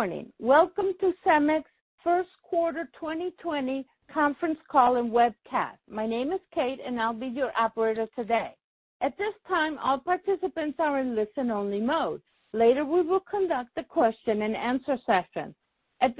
Good morning. Welcome to CEMEX First Quarter 2020 Conference Call and Webcast. My name is Kate, and I'll be your operator today. At this time, all participants are in listen only mode. Later, we will conduct a question and answer session. At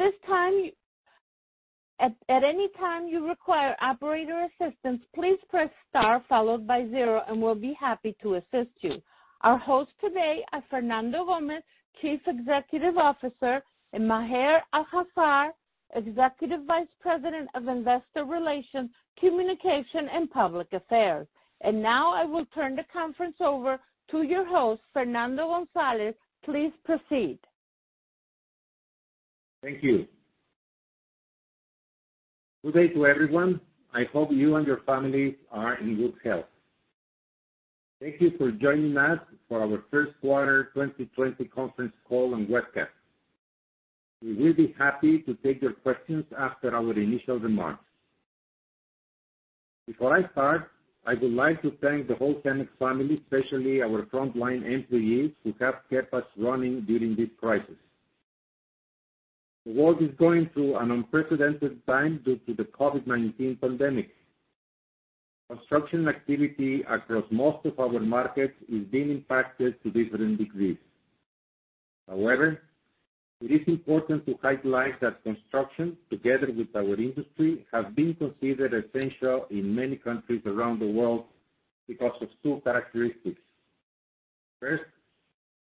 any time you require operator assistance, please press star followed by zero, and we'll be happy to assist you. Our hosts today are Fernando González, Chief Executive Officer, and Maher Al-Haffar, Executive Vice President of Investor Relations, Communications and Public Affairs. Now I will turn the conference over to your host, Fernando González. Please proceed. Thank you. Good day to everyone. I hope you and your families are in good health. Thank you for joining us for our first quarter 2020 conference call and webcast. We will be happy to take your questions after our initial remarks. Before I start, I would like to thank the whole CEMEX family, especially our frontline employees, who have kept us running during this crisis. The world is going through an unprecedented time due to the COVID-19 pandemic. Construction activity across most of our markets is being impacted to different degrees. However, it is important to highlight that construction, together with our industry, has been considered essential in many countries around the world because of two characteristics. First,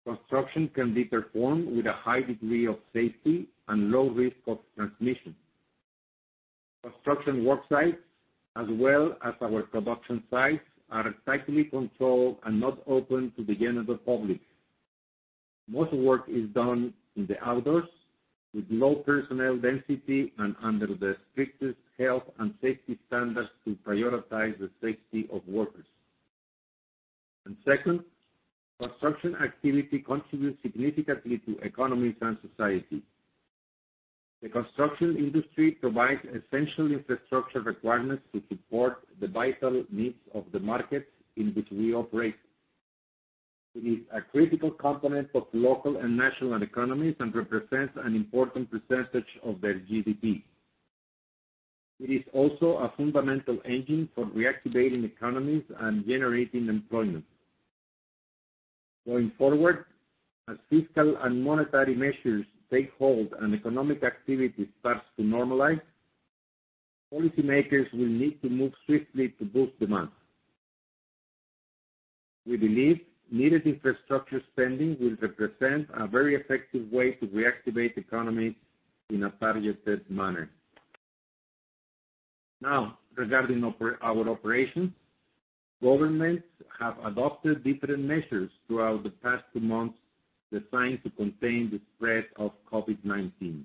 construction can be performed with a high degree of safety and low risk of transmission. Construction work sites, as well as our production sites, are tightly controlled and not open to the general public. Most work is done in the outdoors, with low personnel density and under the strictest health and safety standards to prioritize the safety of workers. Second, construction activity contributes significantly to economies and society. The construction industry provides essential infrastructure requirements to support the vital needs of the markets in which we operate. It is a critical component of local and national economies and represents an important percentage of their GDP. It is also a fundamental engine for reactivating economies and generating employment. Going forward, as fiscal and monetary measures take hold and economic activity starts to normalize, policy makers will need to move swiftly to boost demand. We believe needed infrastructure spending will represent a very effective way to reactivate economies in a targeted manner. Now, regarding our operations. Governments have adopted different measures throughout the past two months designed to contain the spread of COVID-19.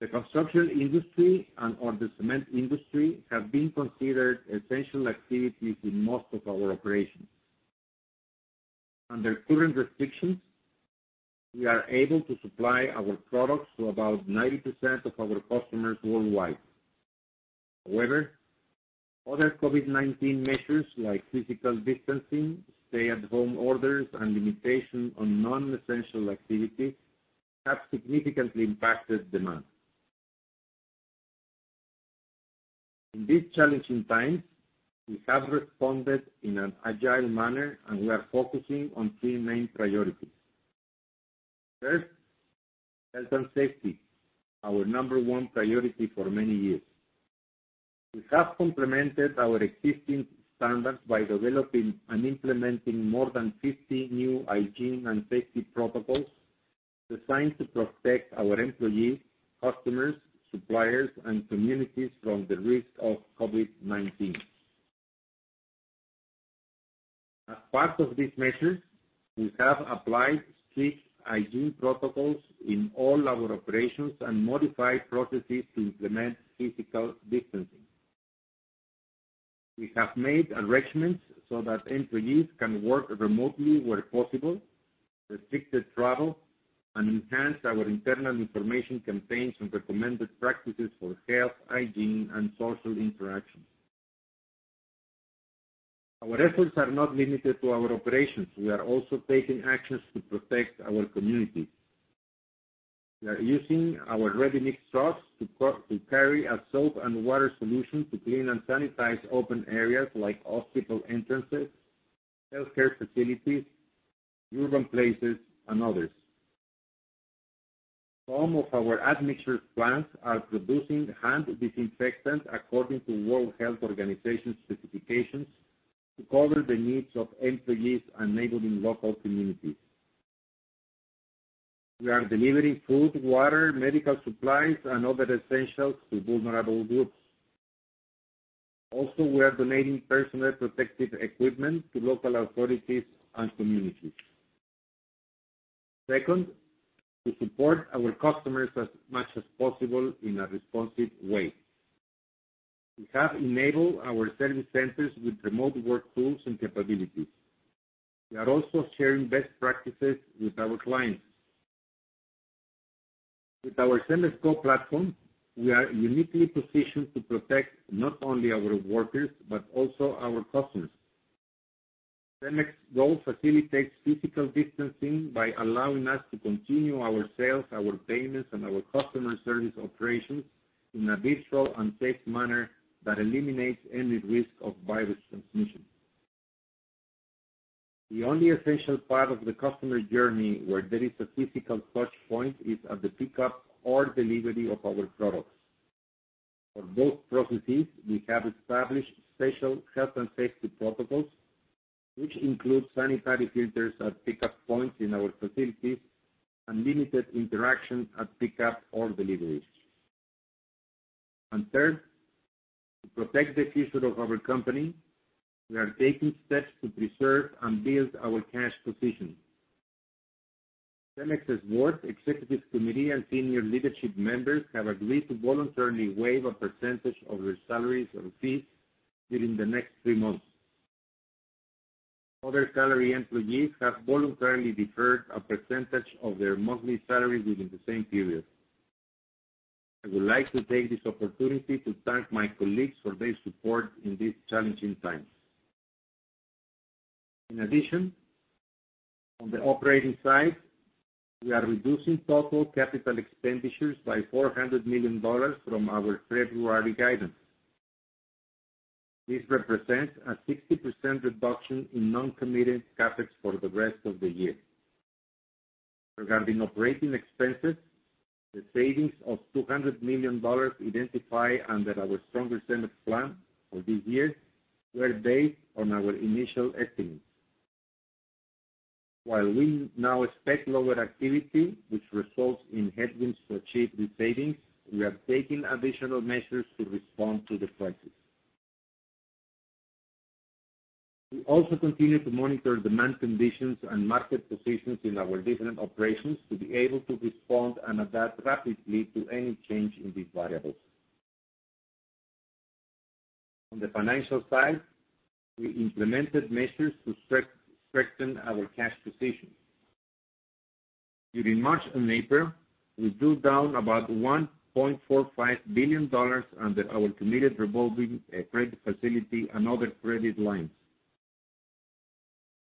The construction industry and the cement industry have been considered essential activities in most of our operations. Under current restrictions, we are able to supply our products to about 90% of our customers worldwide. However, other COVID-19 measures like physical distancing, stay at home orders, and limitations on non-essential activities have significantly impacted demand. In these challenging times, we have responded in an agile manner, and we are focusing on three main priorities. First, health and safety, our number one priority for many years. We have complemented our existing standards by developing and implementing more than 50 new hygiene and safety protocols designed to protect our employees, customers, suppliers, and communities from the risk of COVID-19. As part of these measures, we have applied strict hygiene protocols in all our operations and modified processes to implement physical distancing. We have made arrangements so that employees can work remotely where possible, restricted travel, and enhanced our internal information campaigns and recommended practices for health, hygiene, and social interactions. Our efforts are not limited to our operations. We are also taking actions to protect our community. We are using our ready-mix trucks to carry a soap and water solution to clean and sanitize open areas like hospital entrances, healthcare facilities, urban places, and others. Some of our admixture plants are producing hand disinfectant according to World Health Organization specifications to cover the needs of employees and neighboring local communities. We are delivering food, water, medical supplies, and other essentials to vulnerable groups. We are donating personal protective equipment to local authorities and communities. Second, to support our customers as much as possible in a responsive way. We have enabled our service centers with remote work tools and capabilities. We are also sharing best practices with our clients. With our CEMEX Go platform, we are uniquely positioned to protect not only our workers but also our customers. CEMEX Go facilitates physical distancing by allowing us to continue our sales, our payments, and our customer service operations in a digital and safe manner that eliminates any risk of virus transmission. The only essential part of the customer journey where there is a physical touchpoint is at the pickup or delivery of our products. For both processes, we have established special health and safety protocols, which include sanitary filters at pickup points in our facilities and limited interaction at pickup or deliveries. Third, to protect the future of our company, we are taking steps to preserve and build our cash position. CEMEX's Board, Executive Committee, and senior leadership members have agreed to voluntarily waive a percentage of their salaries and fees during the next three months. Other salaried employees have voluntarily deferred a percentage of their monthly salary within the same period. I would like to take this opportunity to thank my colleagues for their support in these challenging times. In addition, on the operating side, we are reducing total capital expenditures by $400 million from our February guidance. This represents a 60% reduction in non-committed CapEx for the rest of the year. Regarding operating expenses, the savings of $200 million identified under our A Stronger CEMEX plan for this year were based on our initial estimates. While we now expect lower activity, which results in headwinds to achieve these savings, we are taking additional measures to respond to the crisis. We also continue to monitor demand conditions and market positions in our different operations to be able to respond and adapt rapidly to any change in these variables. On the financial side, we implemented measures to strengthen our cash position. During March and April, we drew down about $1.45 billion under our committed revolving credit facility and other credit lines.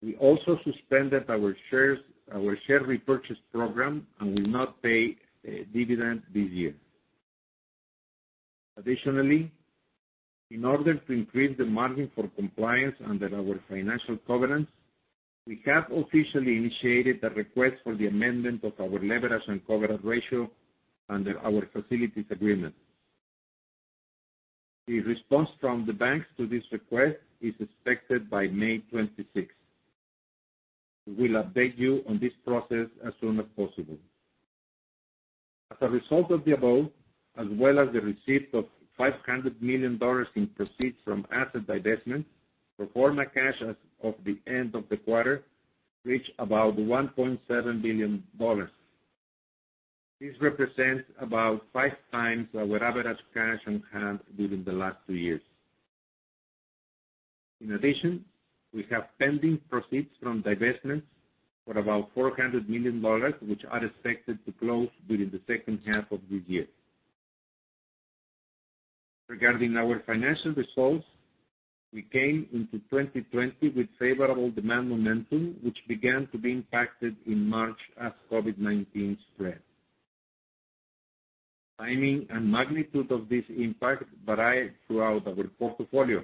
We also suspended our share repurchase program and will not pay a dividend this year. Additionally, in order to increase the margin for compliance under our financial covenants, we have officially initiated a request for the amendment of our leverage and covenant ratio under our facilities agreement. The response from the banks to this request is expected by May 26th. We will update you on this process as soon as possible. As a result of the above, as well as the receipt of $500 million in proceeds from asset divestment, pro forma cash as of the end of the quarter reached about $1.7 billion. This represents about 5x our average cash on hand during the last two years. In addition, we have pending proceeds from divestments for about $400 million, which are expected to close during the second half of this year. Regarding our financial results, we came into 2020 with favorable demand momentum, which began to be impacted in March as COVID-19 spread. Timing and magnitude of this impact varied throughout our portfolio.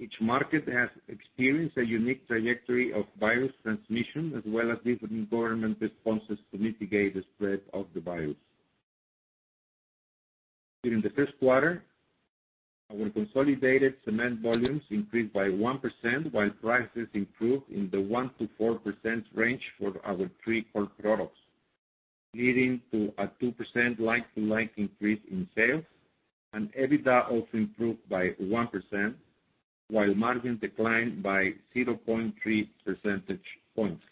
Each market has experienced a unique trajectory of virus transmission, as well as different government responses to mitigate the spread of the virus. During the first quarter, our consolidated cement volumes increased by 1%, while prices improved in the 1%-4% range for our three core products, leading to a 2% like-to-like increase in sales, and EBITDA also improved by 1%, while margin declined by 0.3 percentage points.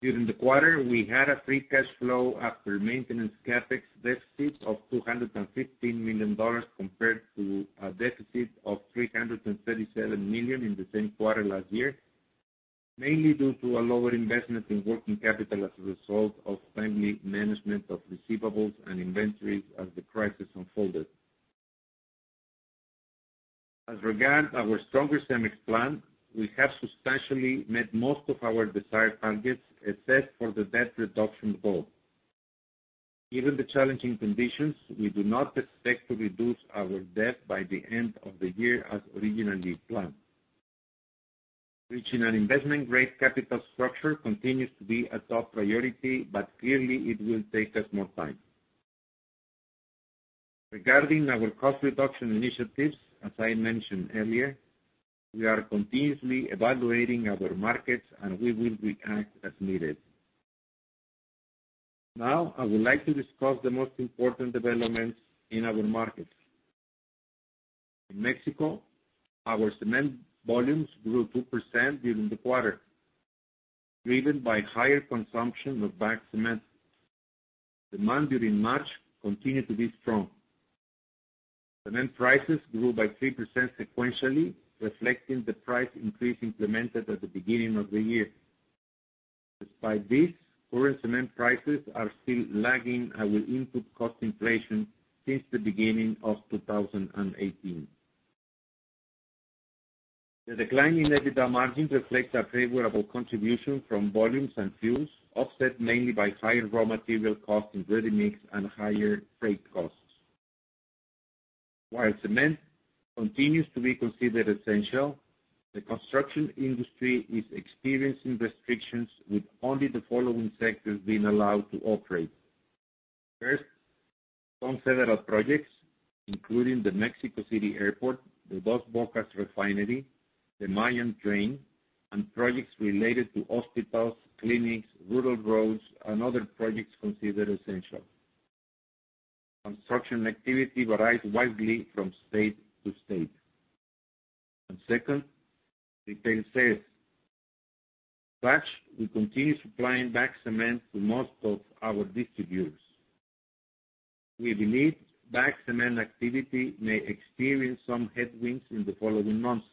During the quarter, we had a free cash flow after maintenance CapEx deficit of $215 million compared to a deficit of $337 million in the same quarter last year, mainly due to a lower investment in working capital as a result of timely management of receivables and inventories as the crisis unfolded. As regards our Stronger CEMEX plan, we have substantially met most of our desired targets, except for the debt reduction goal. Given the challenging conditions, we do not expect to reduce our debt by the end of the year as originally planned. Reaching an investment-grade capital structure continues to be a top priority, clearly, it will take us more time. Regarding our cost reduction initiatives, as I mentioned earlier, we are continuously evaluating our markets, we will react as needed. Now, I would like to discuss the most important developments in our markets. In Mexico, our cement volumes grew 2% during the quarter, driven by higher consumption of bagged cement. Demand during March continued to be strong. Cement prices grew by 3% sequentially, reflecting the price increase implemented at the beginning of the year. Despite this, foreign cement prices are still lagging our input cost inflation since the beginning of 2018. The decline in EBITDA margins reflects a favorable contribution from volumes and fuels, offset mainly by higher raw material costs in ready-mix and higher freight costs. While cement continues to be considered essential, the construction industry is experiencing restrictions, with only the following sectors being allowed to operate. First, some federal projects, including the Mexico City Airport, the Dos Bocas Refinery, the Mayan Train, and projects related to hospitals, clinics, rural roads, and other projects considered essential. Construction activity varies widely from state to state. Second, retail sales. Such, we continue supplying bagged cement to most of our distributors. We believe bagged cement activity may experience some headwinds in the following months,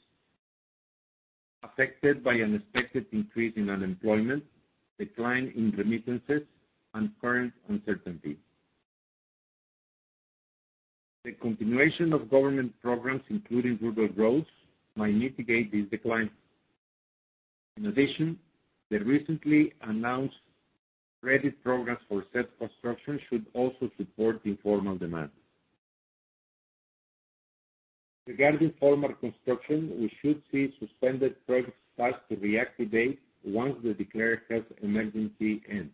affected by an expected increase in unemployment, decline in remittances, and current uncertainty. The continuation of government programs, including rural roads, might mitigate this decline. In addition, the recently announced credit programs for self-construction should also support informal demand. Regarding formal construction, we should see suspended projects start to reactivate once the declared health emergency ends.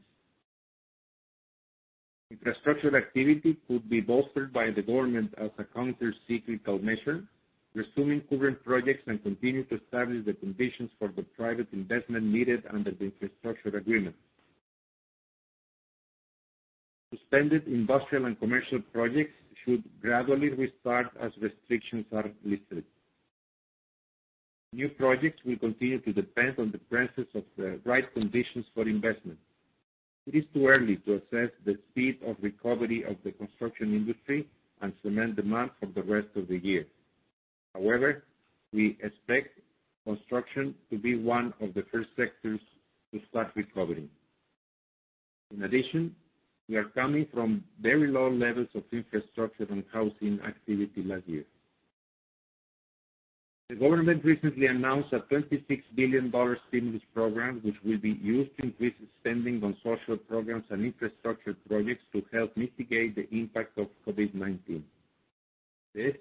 Infrastructural activity could be bolstered by the government as a countercyclical measure, resuming current projects and continuing to establish the conditions for the private investment needed under the infrastructure agreement. Suspended industrial and commercial projects should gradually restart as restrictions are lifted. New projects will continue to depend on the presence of the right conditions for investment. It is too early to assess the speed of recovery of the construction industry and cement demand for the rest of the year. However, we expect construction to be one of the first sectors to start recovering. In addition, we are coming from very low levels of infrastructure and housing activity last year. The government recently announced a $26 billion stimulus program, which will be used to increase spending on social programs and infrastructure projects to help mitigate the impact of COVID-19. This,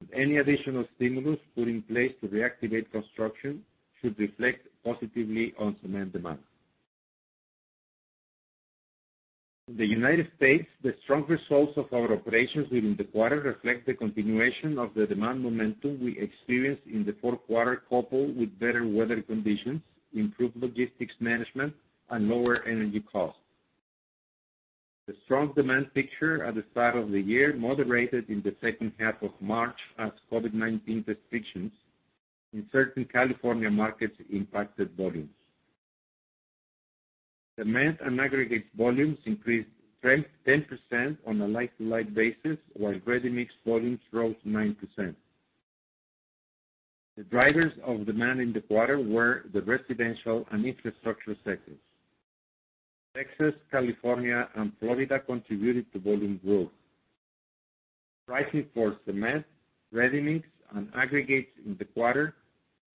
with any additional stimulus put in place to reactivate construction, should reflect positively on cement demand. The United States, the strong results of our operations during the quarter reflect the continuation of the demand momentum we experienced in the fourth quarter, coupled with better weather conditions, improved logistics management, and lower energy costs. The strong demand picture at the start of the year moderated in the second half of March as COVID-19 restrictions in certain California markets impacted volumes. Cement and aggregate volumes increased 10% on a like-to-like basis, while ready-mix volumes rose 9%. The drivers of demand in the quarter were the residential and infrastructure sectors. Texas, California, and Florida contributed to volume growth. Pricing for cement, ready-mix, and aggregates in the quarter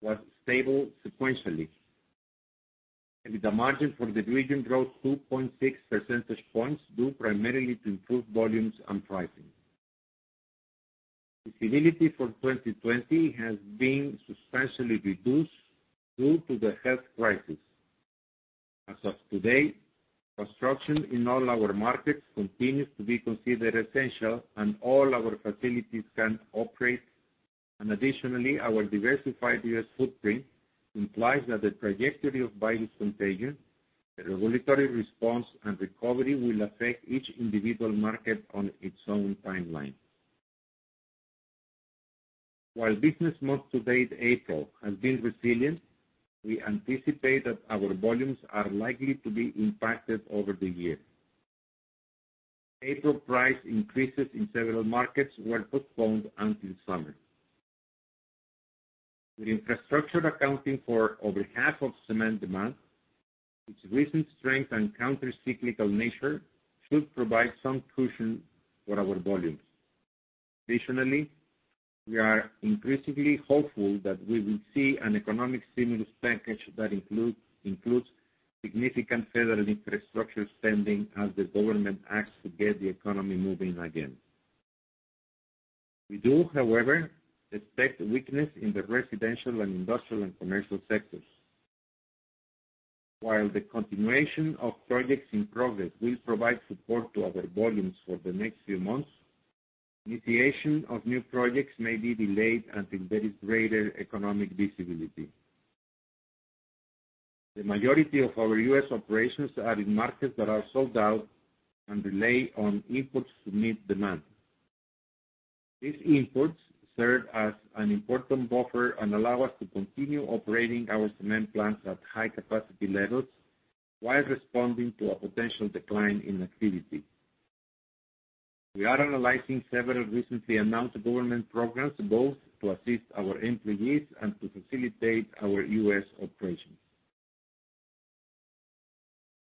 was stable sequentially. The margin for the division rose 2.6 percentage points due primarily to improved volumes and pricing. Visibility for 2020 has been substantially reduced due to the health crisis. As of today, construction in all our markets continues to be considered essential and all our facilities can operate. Additionally, our diversified U.S. footprint implies that the trajectory of virus contagion, the regulatory response, and recovery will affect each individual market on its own timeline. While business month-to-date April has been resilient, we anticipate that our volumes are likely to be impacted over the year. April price increases in several markets were postponed until summer. With infrastructure accounting for over half of cement demand, its recent strength and countercyclical nature should provide some cushion for our volumes. Additionally, we are increasingly hopeful that we will see an economic stimulus package that includes significant federal infrastructure spending as the government acts to get the economy moving again. We do, however, expect weakness in the residential and industrial and commercial sectors. While the continuation of projects in progress will provide support to our volumes for the next few months, initiation of new projects may be delayed until there is greater economic visibility. The majority of our U.S. operations are in markets that are sold out and rely on imports to meet demand. These imports serve as an important buffer and allow us to continue operating our cement plants at high capacity levels while responding to a potential decline in activity. We are analyzing several recently announced government programs, both to assist our employees and to facilitate our U.S. operations.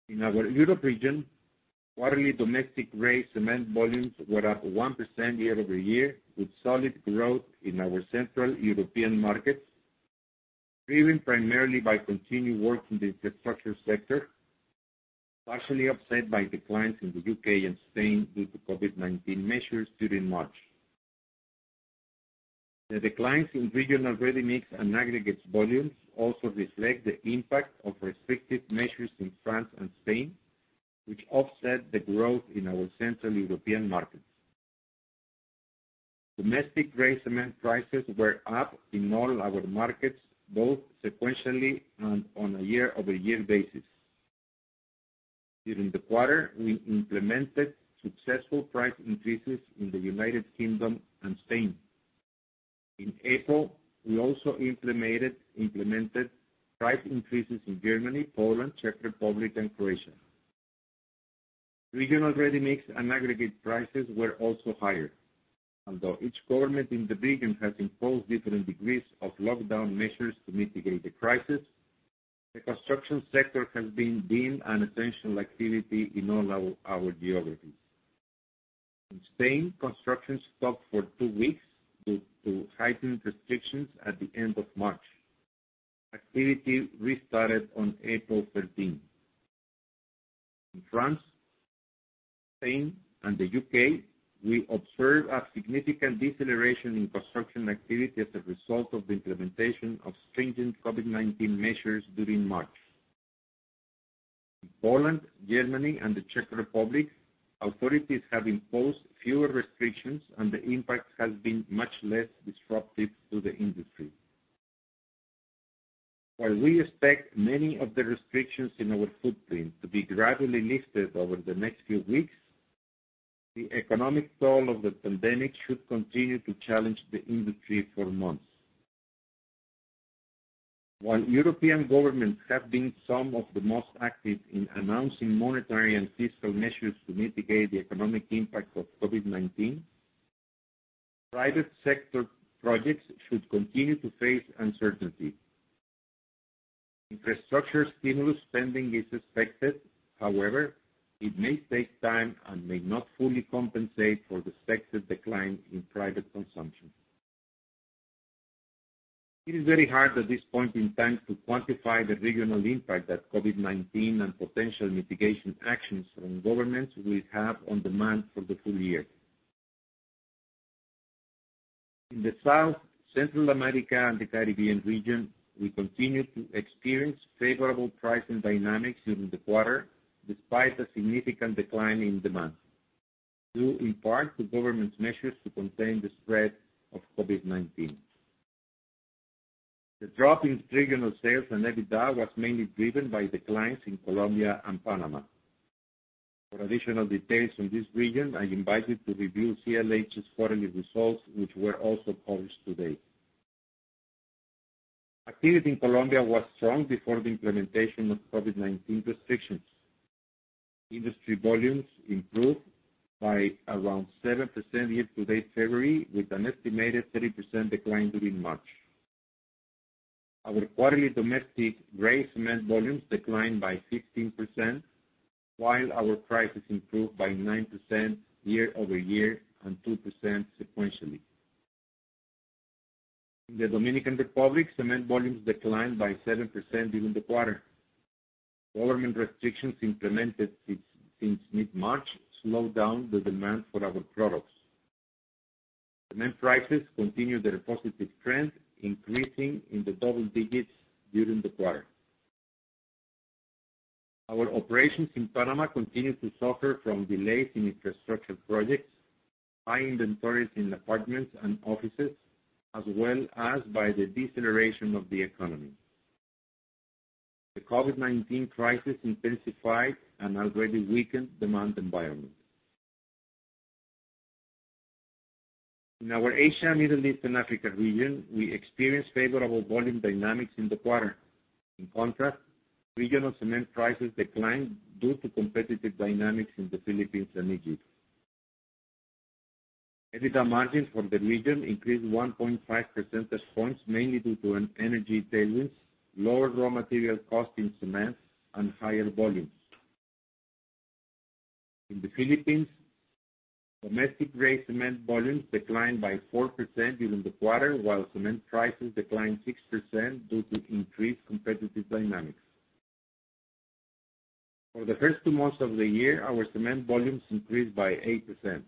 In our Europe region, quarterly domestic gray cement volumes were up 1% year-over-year, with solid growth in our central European markets, driven primarily by continued work in the infrastructure sector, partially offset by declines in the U.K. and Spain due to COVID-19 measures during March. The declines in regional ready-mix and aggregates volumes also reflect the impact of restrictive measures in France and Spain, which offset the growth in our central European markets. Domestic gray cement prices were up in all our markets, both sequentially and on a year-over-year basis. During the quarter, we implemented successful price increases in the United Kingdom and Spain. In April, we also implemented price increases in Germany, Poland, Czech Republic, and Croatia. Regional ready-mix and aggregate prices were also higher. Although each government in the region has imposed different degrees of lockdown measures to mitigate the crisis, the construction sector has been deemed an essential activity in all our geographies. In Spain, construction stopped for two weeks due to heightened restrictions at the end of March. Activity restarted on April 13. In France, Spain, and the U.K., we observed a significant deceleration in construction activity as a result of the implementation of stringent COVID-19 measures during March. In Poland, Germany, and the Czech Republic, authorities have imposed fewer restrictions, and the impact has been much less disruptive to the industry. While we expect many of the restrictions in our footprint to be gradually lifted over the next few weeks, the economic toll of the pandemic should continue to challenge the industry for months. While European governments have been some of the most active in announcing monetary and fiscal measures to mitigate the economic impact of COVID-19, private sector projects should continue to face uncertainty. Infrastructure stimulus spending is expected. However, it may take time and may not fully compensate for the expected decline in private consumption. It is very hard at this point in time to quantify the regional impact that COVID-19 and potential mitigation actions from governments will have on demand for the full year. In the South, Central America, and the Caribbean region, we continued to experience favorable pricing dynamics during the quarter, despite a significant decline in demand, due in part to government measures to contain the spread of COVID-19. The drop in regional sales and EBITDA was mainly driven by declines in Colombia and Panama. For additional details on this region, I invite you to review CLH's quarterly results, which were also published today. Activity in Colombia was strong before the implementation of COVID-19 restrictions. Industry volumes improved by around 7% year-to-date February, with an estimated 30% decline during March. Our quarterly domestic gray cement volumes declined by 16%, while our prices improved by 9% year-over-year and 2% sequentially. In the Dominican Republic, cement volumes declined by 7% during the quarter. Government restrictions implemented since mid-March slowed down the demand for our products. Cement prices continued their positive trend, increasing in the double digits during the quarter. Our operations in Panama continued to suffer from delays in infrastructure projects, high inventories in apartments and offices, as well as by the deceleration of the economy. The COVID-19 crisis intensified an already weakened demand environment. In our Asia, Middle East, and Africa region, we experienced favorable volume dynamics in the quarter. In contrast, regional cement prices declined due to competitive dynamics in the Philippines and Egypt. EBITDA margins for the region increased 1.5% percentage points, mainly due to an energy tailwind, lower raw material cost in cement, and higher volumes. In the Philippines, domestic gray cement volumes declined by 4% during the quarter, while cement prices declined 6% due to increased competitive dynamics. For the first two months of the year, our cement volumes increased by 8%.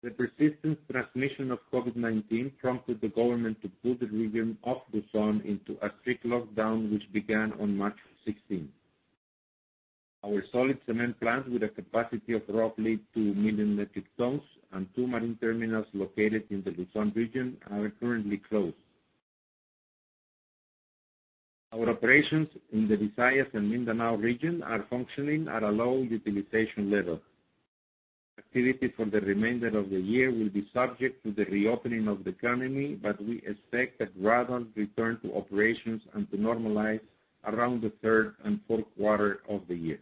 The persistent transmission of COVID-19 prompted the government to put the region of Luzon into a strict lockdown, which began on March 16. Our solid cement plants, with a capacity of roughly 2 million metric tons, and two marine terminals located in the Luzon region are currently closed. Our operations in the Visayas and Mindanao region are functioning at a low utilization level. Activity for the remainder of the year will be subject to the reopening of the economy, but we expect a gradual return to operations and to normalize around the third and fourth quarter of the year.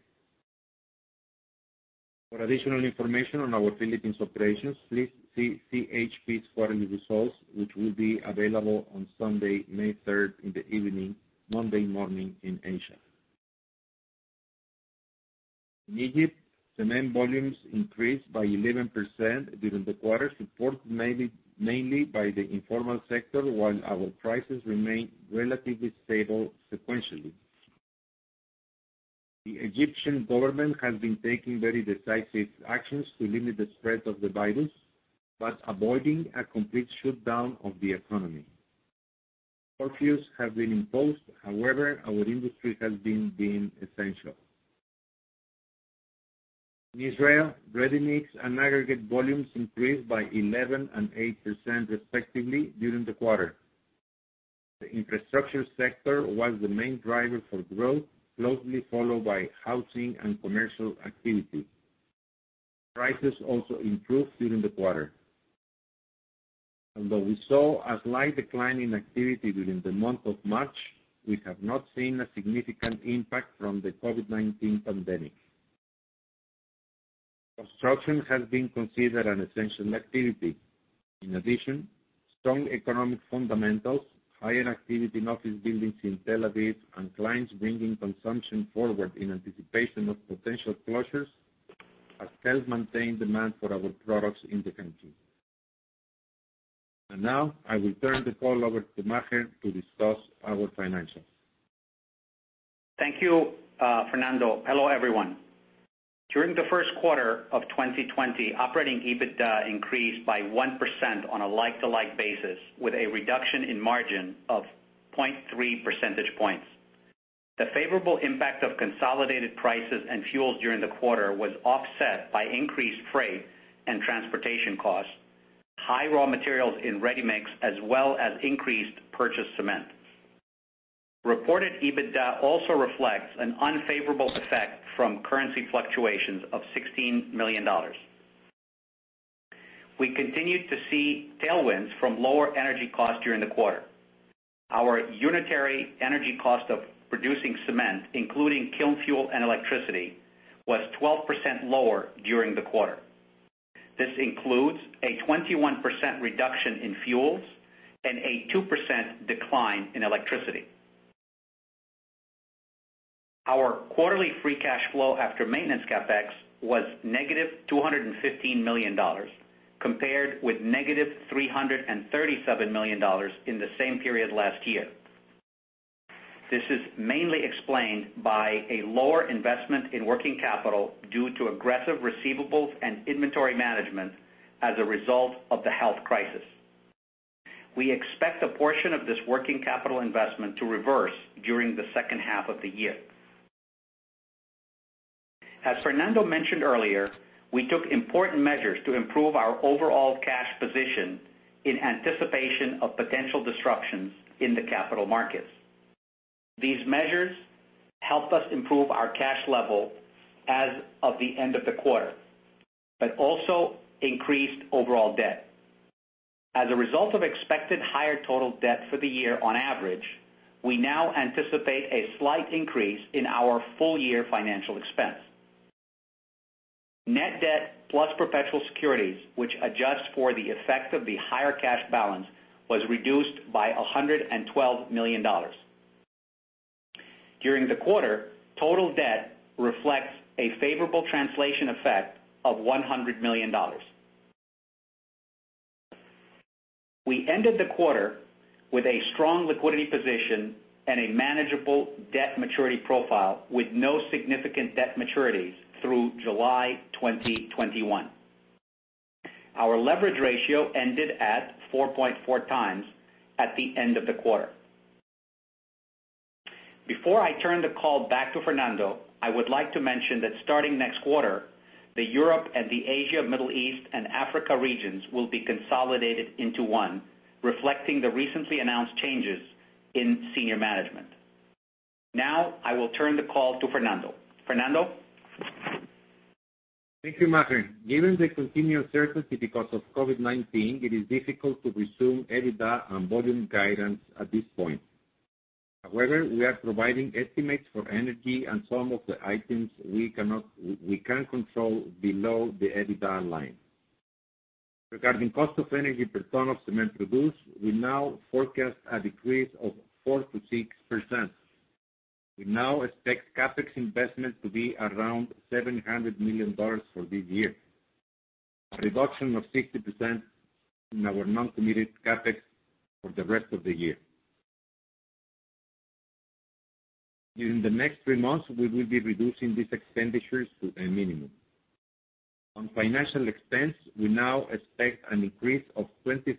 For additional information on our Philippines operations, please see CHP's quarterly results, which will be available on Sunday, May 3rd in the evening, Monday morning in Asia. In Egypt, cement volumes increased by 11% during the quarter, supported mainly by the informal sector, while our prices remained relatively stable sequentially. The Egyptian government has been taking very decisive actions to limit the spread of the virus, but avoiding a complete shutdown of the economy. Curfews have been imposed. However, our industry has been deemed essential. In Israel, ready-mix and aggregate volumes increased by 11% and 8% respectively during the quarter. The infrastructure sector was the main driver for growth, closely followed by housing and commercial activity. Prices also improved during the quarter. Although we saw a slight decline in activity during the month of March, we have not seen a significant impact from the COVID-19 pandemic. Construction has been considered an essential activity. In addition, strong economic fundamentals, higher activity in office buildings in Tel Aviv, and clients bringing consumption forward in anticipation of potential closures, has helped maintain demand for our products in the country. Now, I will turn the call over to Maher to discuss our financials. Thank you, Fernando. Hello, everyone. During the first quarter of 2020, operating EBITDA increased by 1% on a like-to-like basis, with a reduction in margin of 0.3 percentage points. The favorable impact of consolidated prices and fuels during the quarter was offset by increased freight and transportation costs, high raw materials in ready-mix, as well as increased purchased cement. Reported EBITDA also reflects an unfavorable effect from currency fluctuations of $16 million. We continued to see tailwinds from lower energy costs during the quarter. Our unitary energy cost of producing cement, including kiln fuel and electricity, was 12% lower during the quarter. This includes a 21% reduction in fuels and a 2% decline in electricity. Our quarterly free cash flow after maintenance CapEx was -$215 million, compared with -$337 million in the same period last year. This is mainly explained by a lower investment in working capital due to aggressive receivables and inventory management as a result of the health crisis. We expect a portion of this working capital investment to reverse during the second half of the year. As Fernando mentioned earlier, we took important measures to improve our overall cash position in anticipation of potential disruptions in the capital markets. These measures helped us improve our cash level as of the end of the quarter, but also increased overall debt. As a result of expected higher total debt for the year on average, we now anticipate a slight increase in our full-year financial expense. Net debt plus perpetual securities, which adjusts for the effect of the higher cash balance, was reduced by $112 million. During the quarter, total debt reflects a favorable translation effect of $100 million. We ended the quarter with a strong liquidity position and a manageable debt maturity profile, with no significant debt maturities through July 2021. Our leverage ratio ended at 4.4x at the end of the quarter. Before I turn the call back to Fernando, I would like to mention that starting next quarter, the Europe and the Asia, Middle East, and Africa regions will be consolidated into one, reflecting the recently announced changes in senior management. Now, I will turn the call to Fernando. Fernando? Thank you, Maher. Given the continued uncertainty because of COVID-19, it is difficult to resume EBITDA and volume guidance at this point. However, we are providing estimates for energy and some of the items we can control below the EBITDA line. Regarding cost of energy per ton of cement produced, we now forecast a decrease of 4%-6%. We now expect CapEx investment to be around $700 million for this year, a reduction of 60% in our non-committed CapEx for the rest of the year. During the next three months, we will be reducing these expenditures to a minimum. On financial expense, we now expect an increase of $25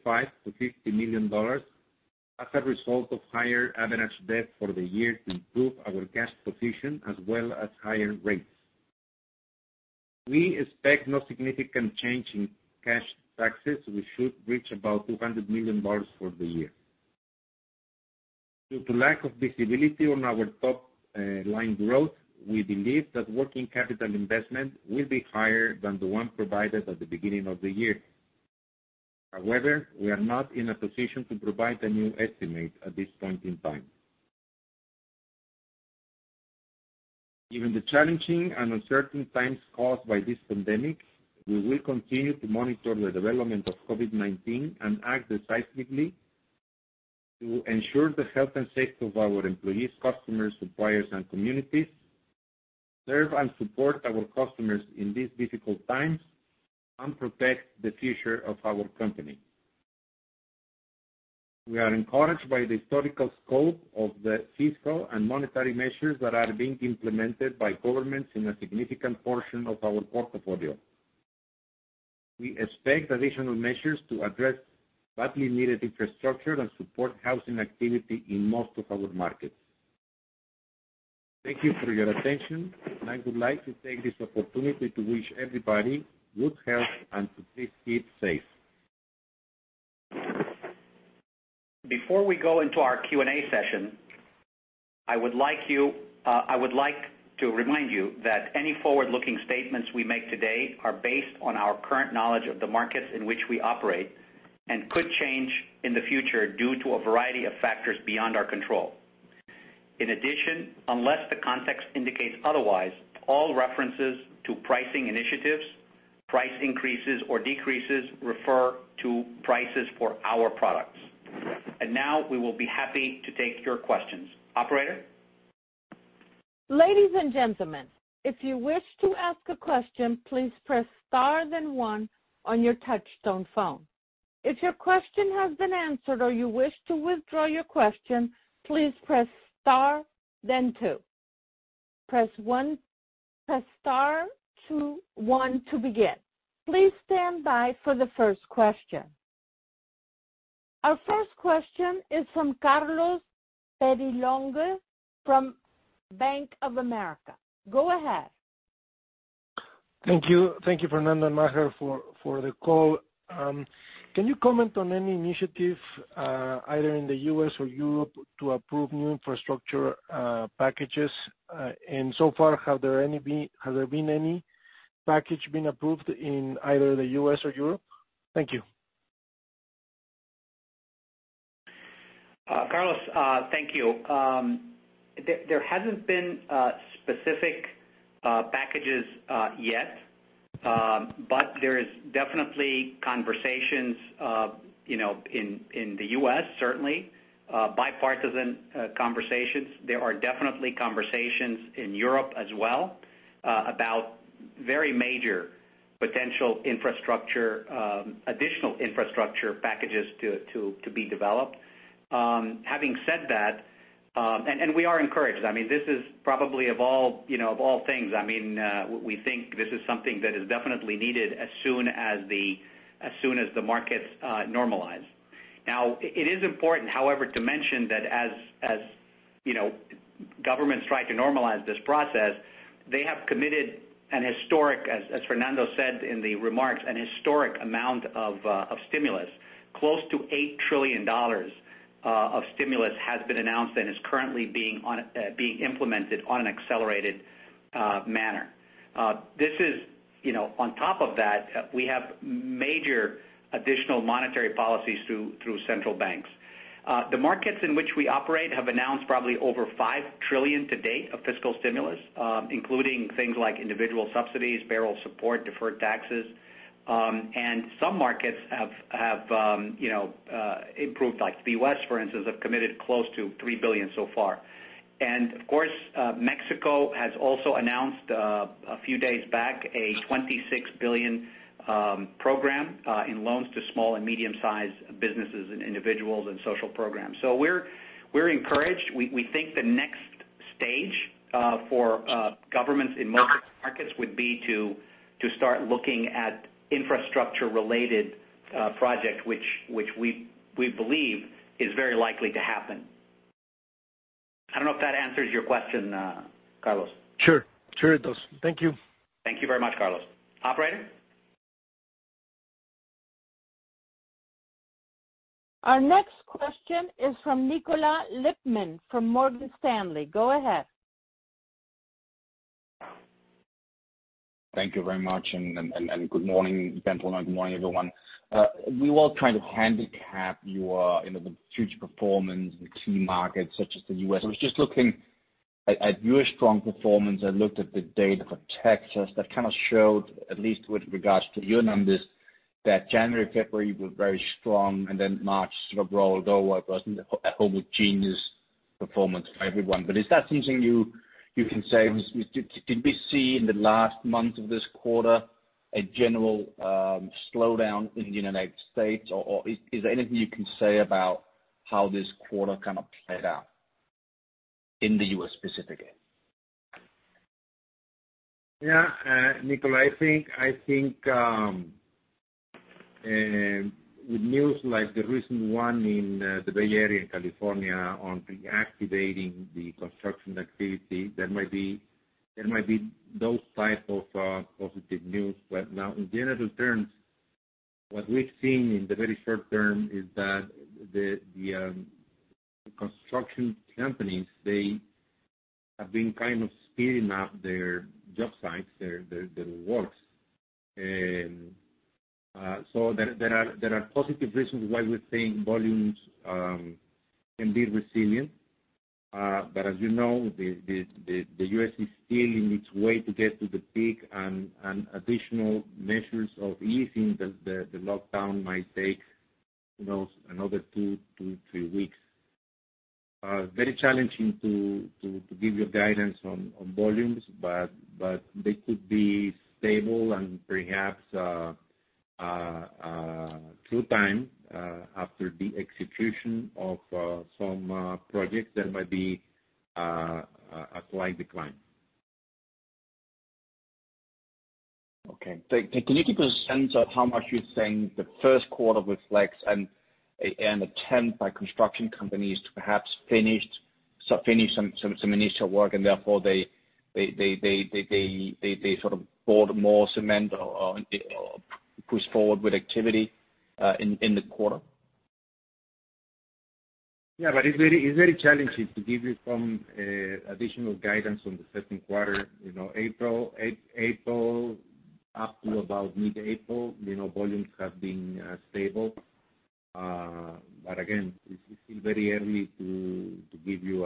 million-$50 million as a result of higher average debt for the year to improve our cash position as well as higher rates. We expect no significant change in cash taxes. We should reach about $200 million for the year. Due to lack of visibility on our top-line growth, we believe that working capital investment will be higher than the one provided at the beginning of the year. However, we are not in a position to provide a new estimate at this point in time. Given the challenging and uncertain times caused by this pandemic, we will continue to monitor the development of COVID-19 and act decisively to ensure the health and safety of our employees, customers, suppliers, and communities, serve and support our customers in these difficult times, and protect the future of our company. We are encouraged by the historical scope of the fiscal and monetary measures that are being implemented by governments in a significant portion of our portfolio. We expect additional measures to address badly needed infrastructure and support housing activity in most of our markets. Thank you for your attention. I would like to take this opportunity to wish everybody good health and to please keep safe. Before we go into our Q&A session, I would like to remind you that any forward-looking statements we make today are based on our current knowledge of the markets in which we operate and could change in the future due to a variety of factors beyond our control. In addition, unless the context indicates otherwise, all references to pricing initiatives, price increases, or decreases refer to prices for our products. Now we will be happy to take your questions. Operator? Ladies and gentlemen, if you wish to ask a question, please press star then one on your touchtone phone. If your question has been answered or you wish to withdraw your question, please press star then two. Press star two one to begin. Please stand by for the first question. Our first question is from Carlos Peyrelongue from Bank of America. Go ahead. Thank you. Thank you, Fernando and Maher, for the call. Can you comment on any initiative, either in the U.S. or Europe, to approve new infrastructure packages? So far, has there been any package been approved in either the U.S. or Europe? Thank you. Carlos, thank you. There hasn't been specific packages yet. There is definitely conversations in the U.S., certainly, bipartisan conversations. There are definitely conversations in Europe as well about very major potential additional infrastructure packages to be developed. Having said that, and we are encouraged. This is probably of all things, we think this is something that is definitely needed as soon as the markets normalize. It is important, however, to mention that as governments try to normalize this process, they have committed an historic, as Fernando said in the remarks, an historic amount of stimulus. Close to $8 trillion of stimulus has been announced and is currently being implemented on an accelerated manner. On top of that, we have major additional monetary policies through central banks. The markets in which we operate have announced probably over $5 trillion to date of fiscal stimulus, including things like individual subsidies, federal support, deferred taxes. Some markets have improved, like the U.S., for instance, have committed close to $3 billion so far. Of course, Mexico has also announced, a few days back, a $26 billion program in loans to small and medium-sized businesses and individuals and social programs. We're encouraged. We think the next stage for governments in most markets would be to start looking at infrastructure-related projects, which we believe is very likely to happen. I don't know if that answers your question, Carlos. Sure. Sure, it does. Thank you. Thank you very much, Carlos. Operator? Our next question is from Nikolaj Lippmann from Morgan Stanley. Go ahead. Thank you very much, and good morning, Fernando, and good morning, everyone. We were all trying to handicap your future performance in key markets such as the U.S. I was just looking at your strong performance. I looked at the data for Texas that kind of showed, at least with regards to your numbers, that January, February were very strong, and then March sort of rolled over. It wasn't a homogeneous performance for everyone. Is that something you can say? Did we see in the last month of this quarter a general slowdown in the United States? Is there anything you can say about how this quarter kind of played out in the U.S. specifically? Yeah. Nikolaj, I think with news like the recent one in the Bay Area in California on reactivating the construction activity, there might be those type of positive news. Now in general terms. What we've seen in the very short term is that the construction companies, they have been kind of speeding up their job sites, their works. There are positive reasons why we're seeing volumes can be resilient. As you know, the U.S. is still on its way to get to the peak, and additional measures of easing the lockdown might take another two to three weeks. Very challenging to give you guidance on volumes, but they could be stable and perhaps through time, after the execution of some projects, there might be a slight decline. Okay. Can you give a sense of how much you think the first quarter reflects an attempt by construction companies to perhaps finish some initial work and therefore they sort of bought more cement or pushed forward with activity in the quarter? Yeah, it's very challenging to give you some additional guidance on the second quarter. April up to about mid-April, volumes have been stable. Again, it's still very early to give you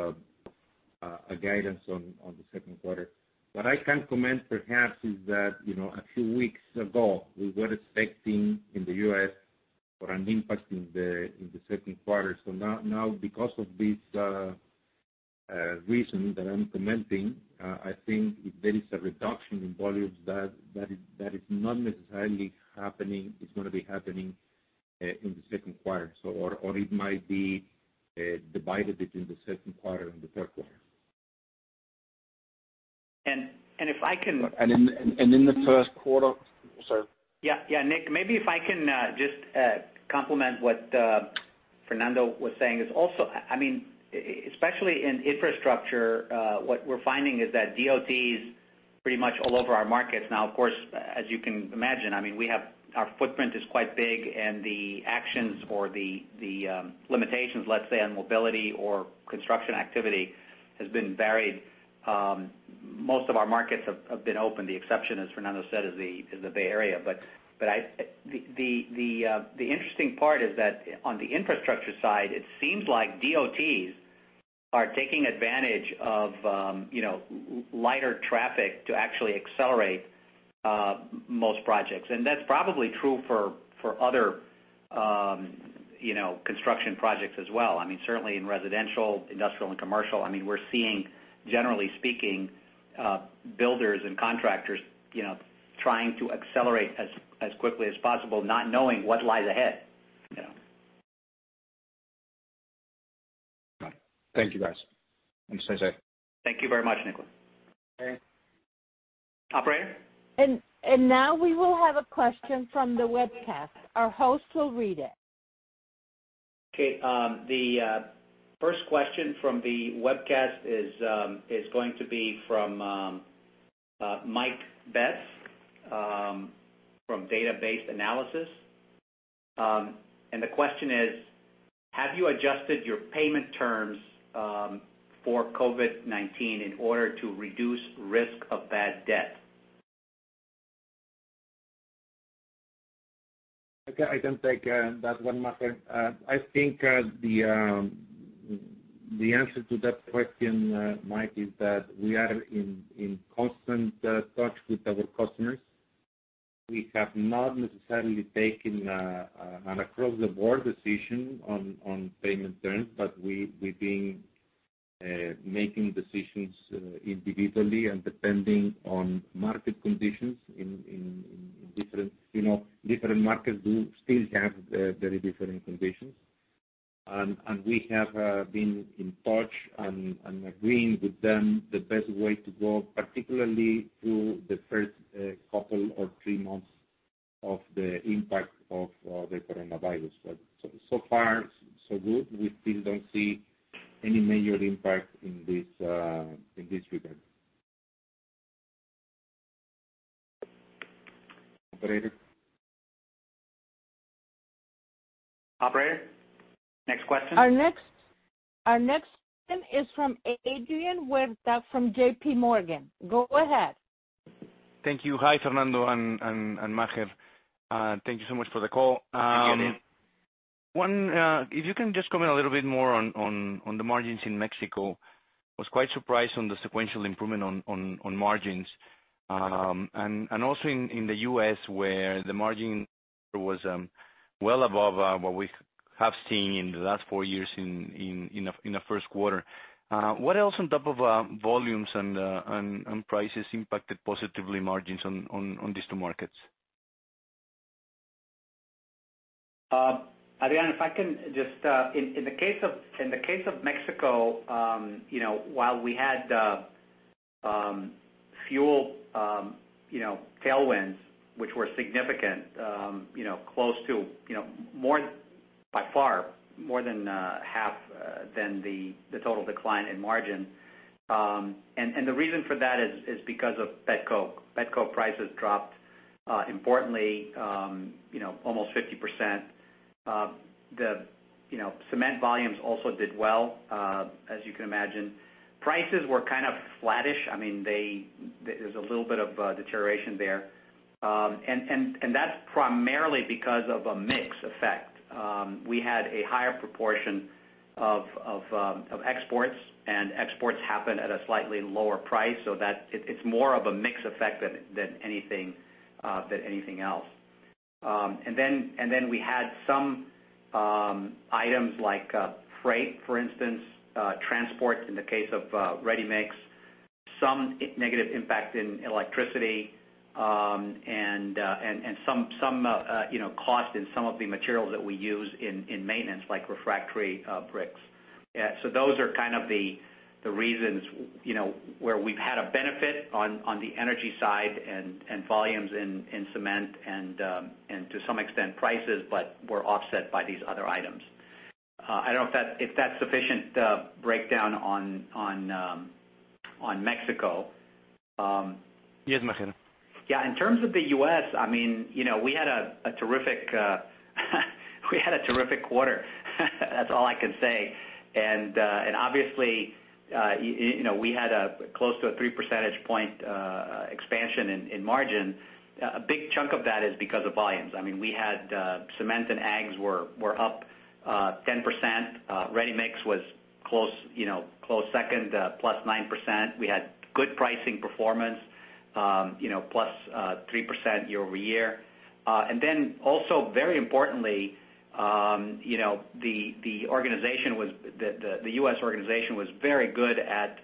a guidance on the second quarter. What I can comment perhaps is that, a few weeks ago, we were expecting in the U.S. for an impact in the second quarter. Now because of this reason that I'm commenting, I think if there is a reduction in volumes, that is not necessarily happening. It's going to be happening in the second quarter. It might be divided between the second quarter and the third quarter. And if I can- Sorry. Nik, maybe if I can just complement what Fernando was saying is also, especially in infrastructure, what we're finding is that DOT's pretty much all over our markets now, of course, as you can imagine, our footprint is quite big, and the actions or the limitations, let's say, on mobility or construction activity has been varied. Most of our markets have been open. The exception, as Fernando said, is the Bay Area. The interesting part is that on the infrastructure side, it seems like DOTs are taking advantage of lighter traffic to actually accelerate most projects. That's probably true for other construction projects as well. Certainly in residential, industrial, and commercial, we're seeing, generally speaking, builders and contractors trying to accelerate as quickly as possible, not knowing what lies ahead. Right. Thank you, guys. Stay safe. Thank you very much, Nikolaj. Okay. Operator? Now we will have a question from the webcast. Our host will read it. Okay. The first question from the webcast is going to be from Mike Betts from Data Based Analysis. The question is: Have you adjusted your payment terms for COVID-19 in order to reduce risk of bad debt? Okay, I can take that one, Maher. I think the answer to that question, Mike, is that we are in constant touch with our customers. We have not necessarily taken an across-the-board decision on payment terms, but we've been making decisions individually and depending on market conditions in different markets. We still have very different conditions. We have been in touch and agreeing with them the best way to go, particularly through the first two or three months of the impact of the COVID-19. So far, so good. We still don't see any major impact in this regard. Operator? Operator? Next question. Our next question is from Adrian Huerta from JPMorgan. Go ahead. Thank you. Hi, Fernando and Maher. Thank you so much for the call. Hi, Adrian. If you can just comment a little bit more on the margins in Mexico. Was quite surprised on the sequential improvement on margins. Also in the U.S., where the margin was well above what we have seen in the last four years in the first quarter. What else on top of volumes and prices impacted positively margins on these two markets? Adrian, in the case of Mexico, while we had fuel tailwinds, which were significant, more by far, more than half than the total decline in margin. The reason for that is because of petcoke. Petcoke prices dropped, importantly almost 50%. The cement volumes also did well, as you can imagine. Prices were kind of flattish. There's a little bit of deterioration there. That's primarily because of a mix effect. We had a higher proportion of exports, and exports happen at a slightly lower price, so it's more of a mix effect than anything else. Then we had some items like freight, for instance, transports in the case of ready-mix, some negative impact in electricity, and some cost in some of the materials that we use in maintenance, like refractory bricks. Those are kind of the reasons, where we've had a benefit on the energy side and volumes in cement and, to some extent, prices, but we're offset by these other items. I don't know if that's sufficient breakdown on Mexico. Yes, Maher. Yeah. In terms of the U.S., we had a terrific quarter. That's all I can say. Obviously, we had close to a three percentage point expansion in margin. A big chunk of that is because of volumes. Cement and ags were up 10%. ready-mix was close second, +9%. We had good pricing performance, +3% year-over-year. Very importantly, the U.S. organization was very good at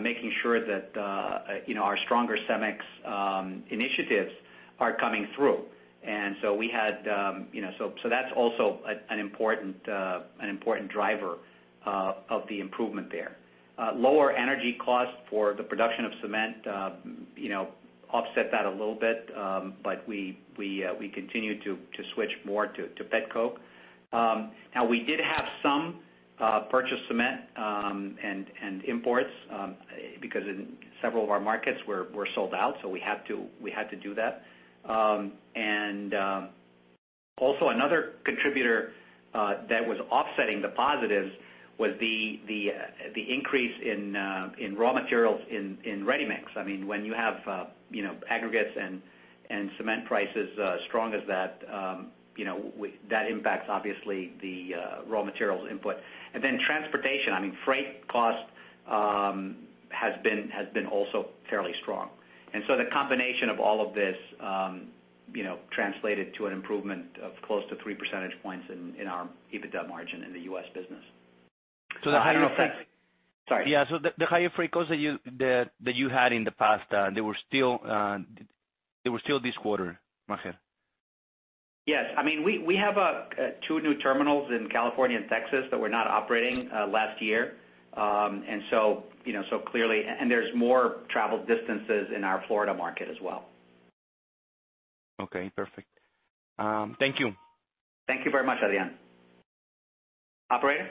making sure that our A Stronger CEMEX initiatives are coming through. That's also an important driver of the improvement there. Lower energy costs for the production of cement offset that a little bit. We continue to switch more to petcoke. Now, we did have some purchased cement and imports, because in several of our markets we're sold out, so we had to do that. Also, another contributor that was offsetting the positives was the increase in raw materials in ready-mix. When you have aggregates and cement prices as strong as that impacts, obviously, the raw materials input. Then transportation, freight cost has been also fairly strong. The combination of all of this translated to an improvement of close to 3 percentage points in our EBITDA margin in the U.S. business. the higher freight- Sorry. Yeah. The higher freight costs that you had in the past, they were still this quarter, Maher? Yes. We have two new terminals in California and Texas that were not operating last year. There's more travel distances in our Florida market as well. Okay. Perfect. Thank you. Thank you very much, Adrian. Operator?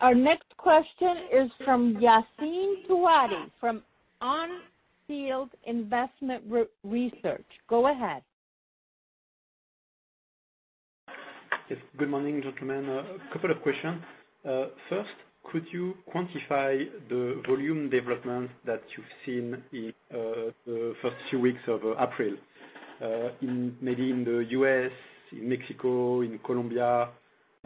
Our next question is from Yassine Touahri, from On Field Investment Research. Go ahead. Yes. Good morning, gentlemen. A couple of questions. First, could you quantify the volume development that you've seen in the first few weeks of April? Maybe in the U.S., in Mexico, in Colombia.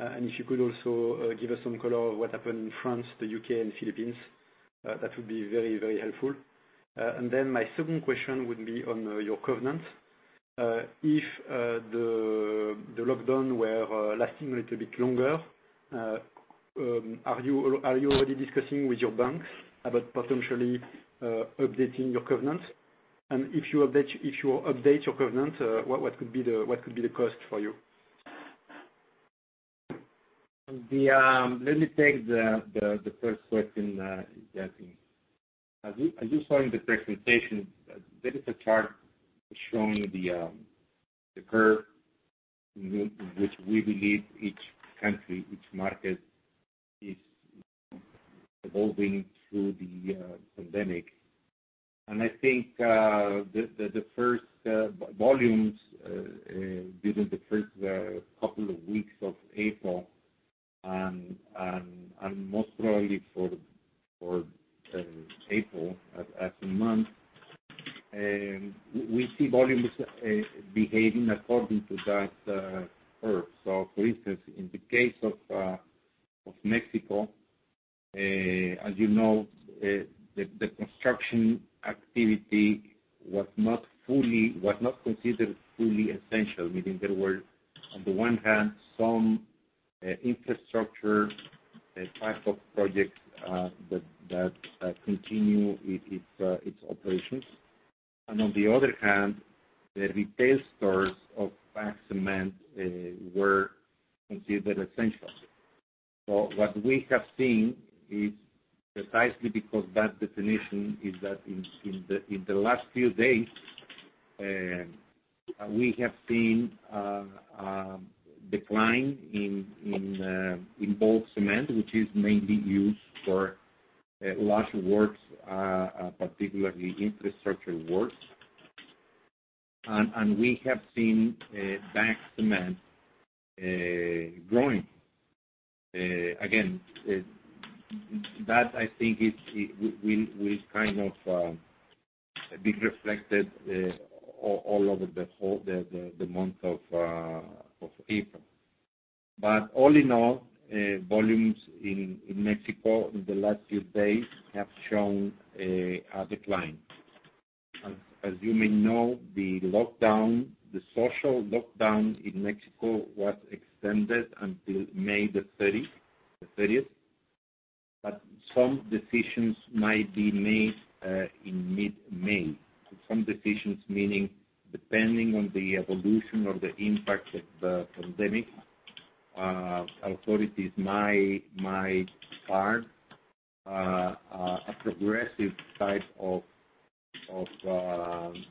If you could also give us some color of what happened in France, the U.K., and Philippines, that would be very helpful. Then my second question would be on your covenants. If the lockdown were lasting a little bit longer, are you already discussing with your banks about potentially updating your covenants? If you update your covenant, what could be the cost for you? Let me take the first question, Yassine. As you saw in the presentation, there is a chart showing the curve in which we believe each country, each market, is evolving through the pandemic. I think that the first volumes during the first couple of weeks of April, and most probably for April as a month, we see volumes behaving according to that curve. For instance, in the case of Mexico, as you know, the construction activity was not considered fully essential, meaning there were, on the one hand, some infrastructure type of projects that continue its operations. On the other hand, the retail stores of packed cement were considered essential. What we have seen is precisely because that definition is that in the last few days, we have seen a decline in bulk cement, which is mainly used for large works, particularly infrastructure works. We have seen bagged cement growing. That I think will kind of be reflected all over the month of April. All in all, volumes in Mexico in the last few days have shown a decline. As you may know, the social lockdown in Mexico was extended until May 30th, but some decisions might be made in mid-May. Some decisions meaning depending on the evolution of the impact of the pandemic, authorities might start a progressive type of the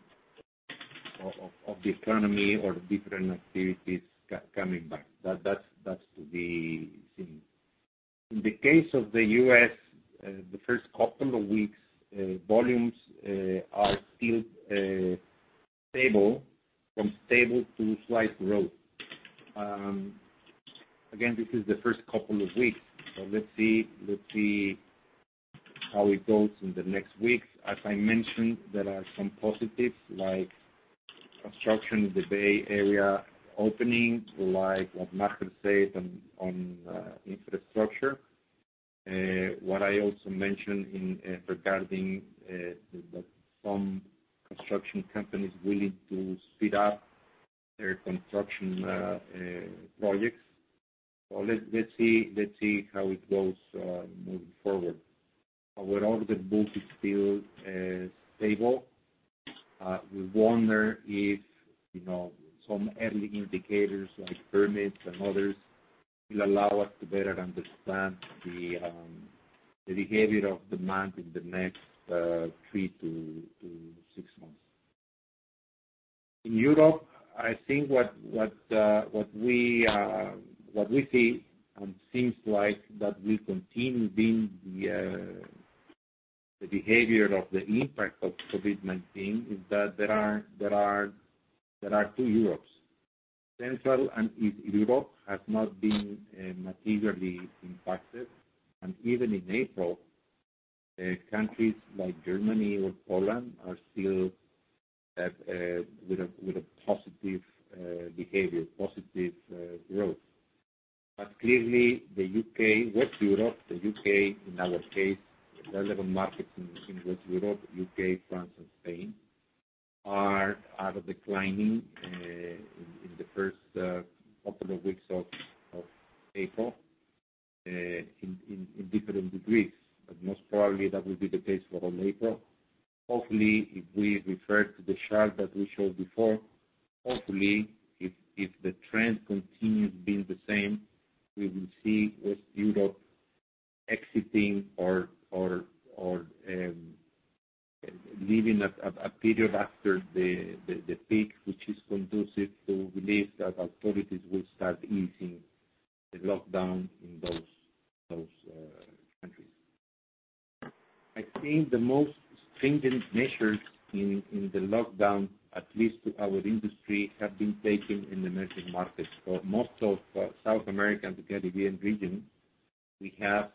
economy or different activities coming back. That's to be seen. In the case of the U.S., the first couple of weeks, volumes are still stable, from stable to slight growth. This is the first couple of weeks, so let's see how it goes in the next weeks. As I mentioned, there are some positives like construction in the Bay Area opening, like what Marco said on infrastructure. What I also mentioned regarding some construction companies willing to speed up their construction projects. Let's see how it goes moving forward. Our order book is still stable. We wonder if some early indicators like permits and others will allow us to better understand the behavior of demand in the next three to six months. In Europe, I think what we see, and seems like that will continue being the behavior of the impact of COVID-19, is that there are two Europes. Central and East Europe has not been materially impacted. Even in April, countries like Germany or Poland are still with a positive behavior, positive growth. Clearly, the U.K., West Europe, the U.K., in our case, the relevant markets in West Europe, U.K., France, and Spain, are declining in the first couple of weeks of April in different degrees. Most probably that will be the case for all April. Hopefully, if we refer to the chart that we showed before, hopefully, if the trend continues being the same, we will see West Europe exiting or leaving a period after the peak, which is conducive to believe that authorities will start easing the lockdown in those countries. I think the most stringent measures in the lockdown, at least to our industry, have been taken in the emerging markets. For most of South America and the Caribbean region, we have,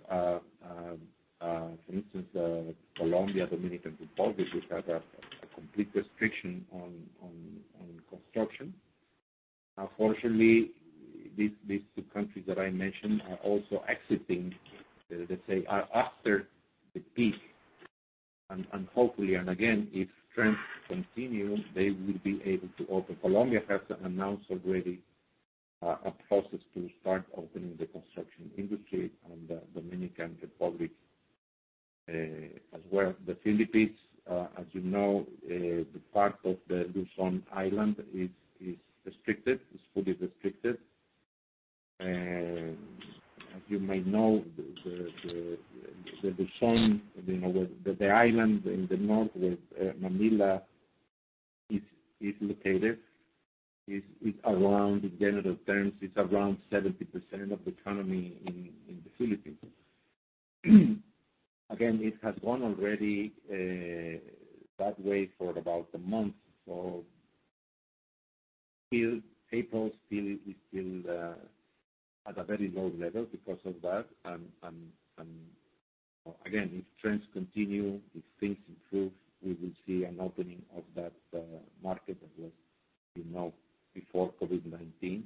for instance Colombia, Dominican Republic, which have a complete restriction on construction. Fortunately, these two countries that I mentioned are also exiting, let's say, after the peak. Hopefully, and again, if trends continue, they will be able to open. Colombia has announced already a process to start opening the construction industry, and the Dominican Republic as well. The Philippines, as you know, the part of the Luzon Island is restricted, is fully restricted. As you may know, the Luzon, the island in the north where Manila is located, in general terms, it's around 70% of the economy in the Philippines. It has gone already that way for about a month. April is still at a very low level because of that. If trends continue, if things improve, we will see an opening of that market that was before COVID-19.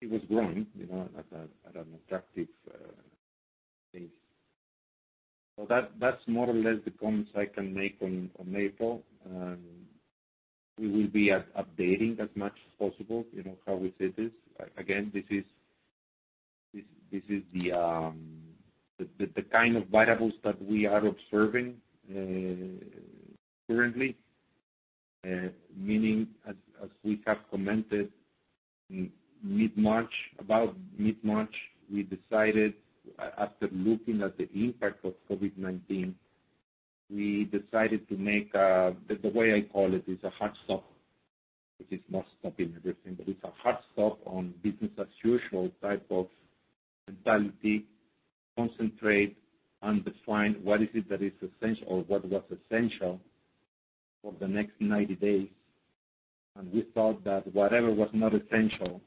It was growing at an attractive pace. That's more or less the comments I can make on April. We will be updating as much as possible, how we see this. This is the kind of variables that we are observing currently, meaning, as we have commented, about mid-March, we decided after looking at the impact of COVID-19, we decided to make, the way I call it, is a hard stop, which is not stopping everything, but it's a hard stop on business as usual type of mentality. Concentrate and define what is it that is essential or what was essential for the next 90 days. We thought that whatever was not essential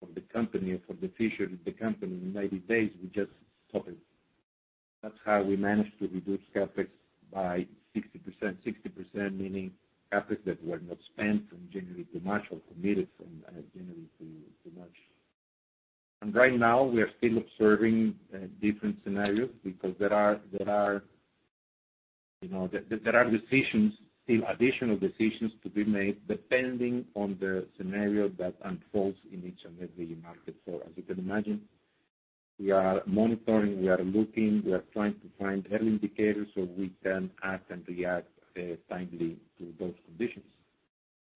for the company or for the future of the company in 90 days, we just stop it. That's how we managed to reduce CapEx by 60%. 60% meaning CapEx that were not spent from January to March or committed from January to March. Right now, we are still observing different scenarios because there are decisions, still additional decisions to be made depending on the scenario that unfolds in each and every market. As you can imagine, we are monitoring, we are looking, we are trying to find early indicators so we can act and react timely to those conditions.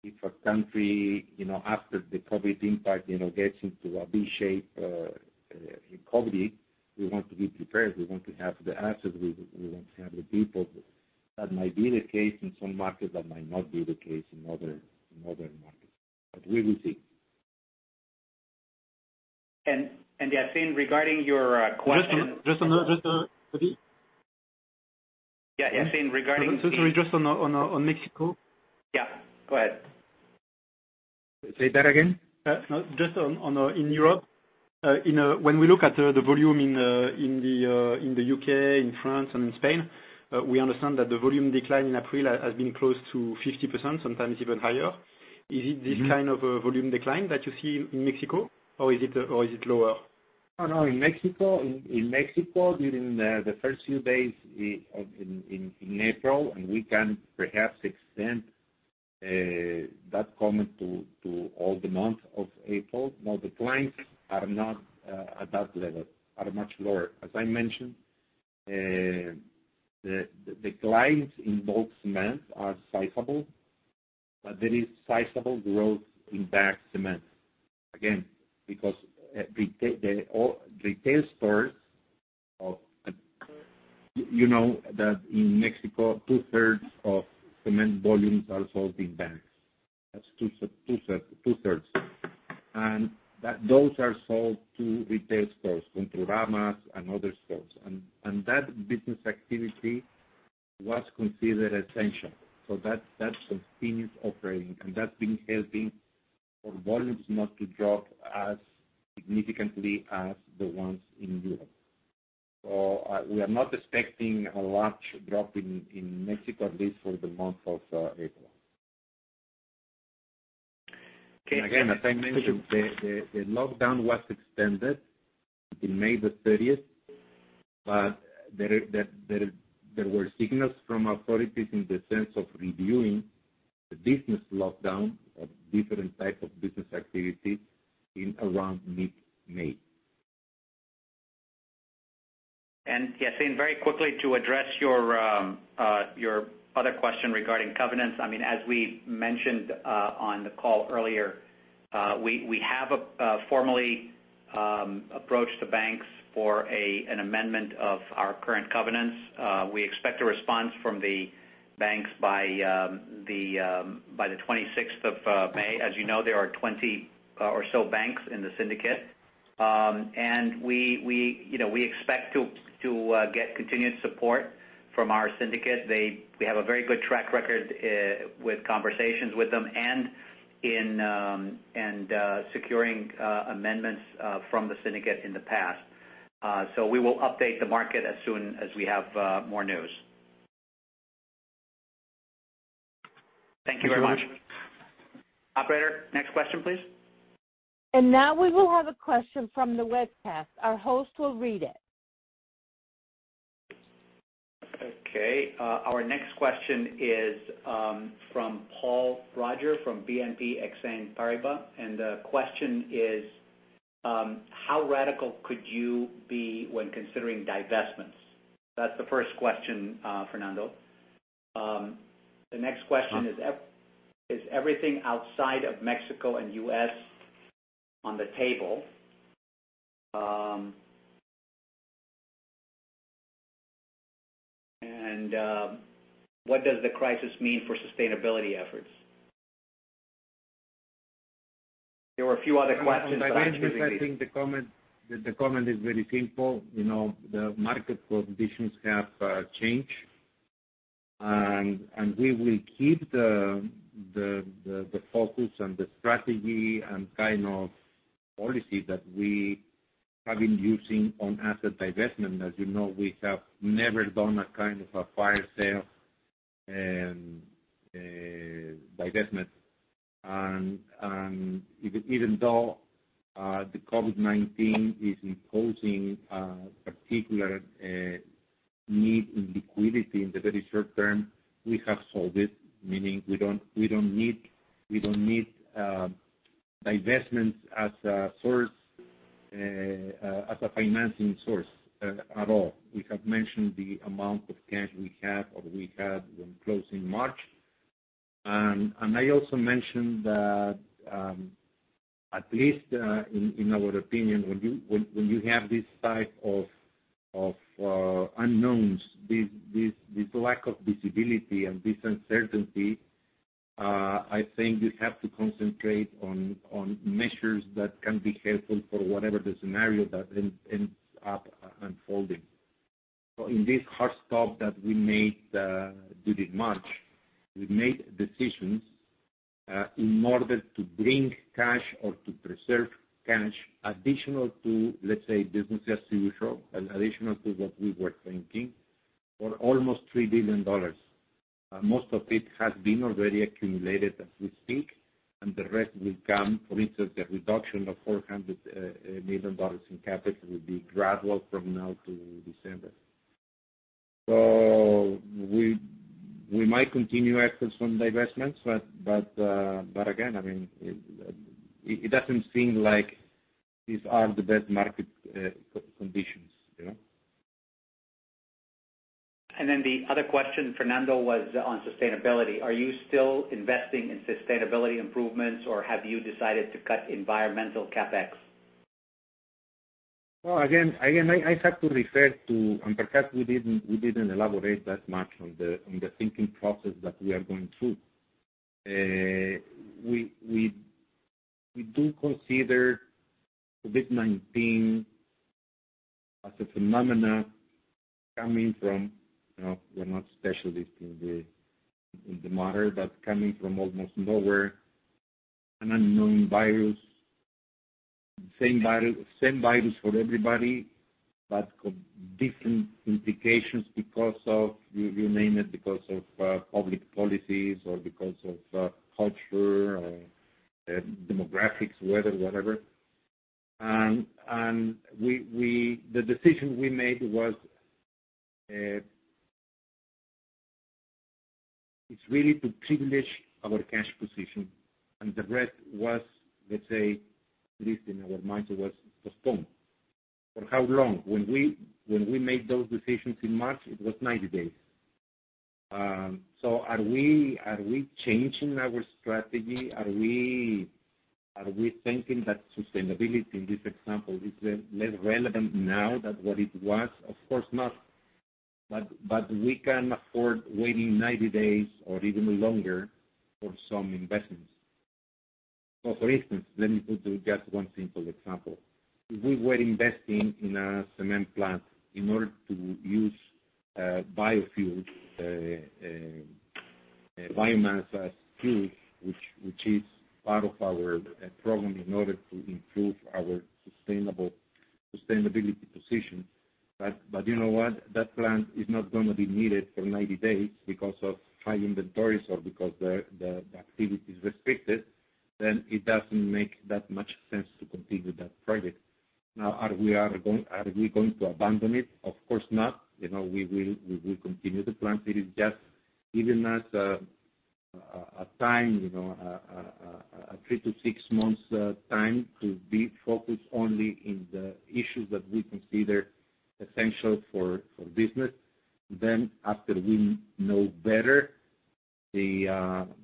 If a country, after the COVID-19 impact, gets into a V shape, in COVID-19, we want to be prepared. We want to have the assets. We want to have the people. That might be the case in some markets. That might not be the case in other markets. We will see. Yassine, regarding your question. Just on, sorry. Yeah, Yassine. Sorry, just on Mexico. Yeah, go ahead. Say that again. In Europe, when we look at the volume in the U.K., in France and in Spain, we understand that the volume decline in April has been close to 50%, sometimes even higher. Is it this kind of a volume decline that you see in Mexico, or is it lower? In Mexico, during the first few days in April, and we can perhaps extend that comment to all the month of April. Declines are not at that level, are much lower. As I mentioned, declines in bulk cement are sizable, but there is sizable growth in bagged cement. Again, because retail stores You know that in Mexico, two-thirds of cement volumes are sold in bags. That's two-thirds. Those are sold to retail stores, Construrama and other stores, and that business activity was considered essential. That's continuous operating, and that's been helping our volumes not to drop as significantly as the ones in Europe. We are not expecting a large drop in Mexico, at least for the month of April. Okay. As I mentioned, the lockdown was extended to May 30th, but there were signals from authorities in the sense of reviewing the business lockdown of different types of business activity in around mid-May. Yassine, very quickly to address your other question regarding covenants. As we mentioned on the call earlier, we have formally approached the banks for an amendment of our current covenants. We expect a response from the banks by the May 26th. As you know, there are 20 or so banks in the syndicate. We expect to get continued support from our syndicate. We have a very good track record with conversations with them and securing amendments from the syndicate in the past. We will update the market as soon as we have more news. Thank you very much. Operator, next question, please. Now we will have a question from the webcast. Our host will read it. Okay. Our next question is from Paul Roger from BNP Exane Paribas. The question is, how radical could you be when considering divestments? That's the first question, Fernando. The next question is everything outside of Mexico and U.S. on the table? What does the crisis mean for sustainability efforts? There were a few other questions, but I'm choosing these. On divestment, I think the comment is very simple. The market conditions have changed, and we will keep the focus and the strategy and kind of policy that we have been using on asset divestment. As you know, we have never done a kind of a fire sale divestment. Even though the COVID-19 is imposing a particular need in liquidity in the very short term, we have solved it, meaning we don't need divestments as a financing source at all. We have mentioned the amount of cash we have or we had when closing March. I also mentioned that, at least in our opinion, when you have this type of unknowns, this lack of visibility and this uncertainty, I think you have to concentrate on measures that can be helpful for whatever the scenario that ends up unfolding. In this hard stop that we made during March, we made decisions in order to bring cash or to preserve cash additional to, let's say, business as usual and additional to what we were thinking, for almost $3 billion. Most of it has been already accumulated as we speak, and the rest will come. For instance, the reduction of $400 million in CapEx will be gradual from now to December. We might continue active on some divestments, but again, it doesn't seem like these are the best market conditions. The other question, Fernando, was on sustainability. Are you still investing in sustainability improvements, or have you decided to cut environmental CapEx? Well, again, I have to refer to, perhaps we didn't elaborate that much on the thinking process that we are going through. We do consider COVID-19 as a phenomenon coming from, we're not specialists in the matter, coming from almost nowhere. An unknown virus, same virus for everybody, different implications because of, you name it, because of public policies or because of culture or demographics, weather, whatever. The decision we made was really to privilege our cash position, and the rest was, let's say, at least in our minds, it was postponed. For how long? When we made those decisions in March, it was 90 days. Are we changing our strategy? Are we thinking that sustainability in this example is less relevant now than what it was? Of course not. We can't afford waiting 90 days or even longer for some investments. For instance, let me put just one simple example. We were investing in a cement plant in order to use biofuel, biomass as fuel, which is part of our program in order to improve our sustainability position. You know what? That plant is not going to be needed for 90 days because of high inventories or because the activity is restricted, then it doesn't make that much sense to continue that project. Are we going to abandon it? Of course not. We will continue the plan. It is just given us a time, a three to six months time to be focused only on the issues that we consider essential for business. After we know better the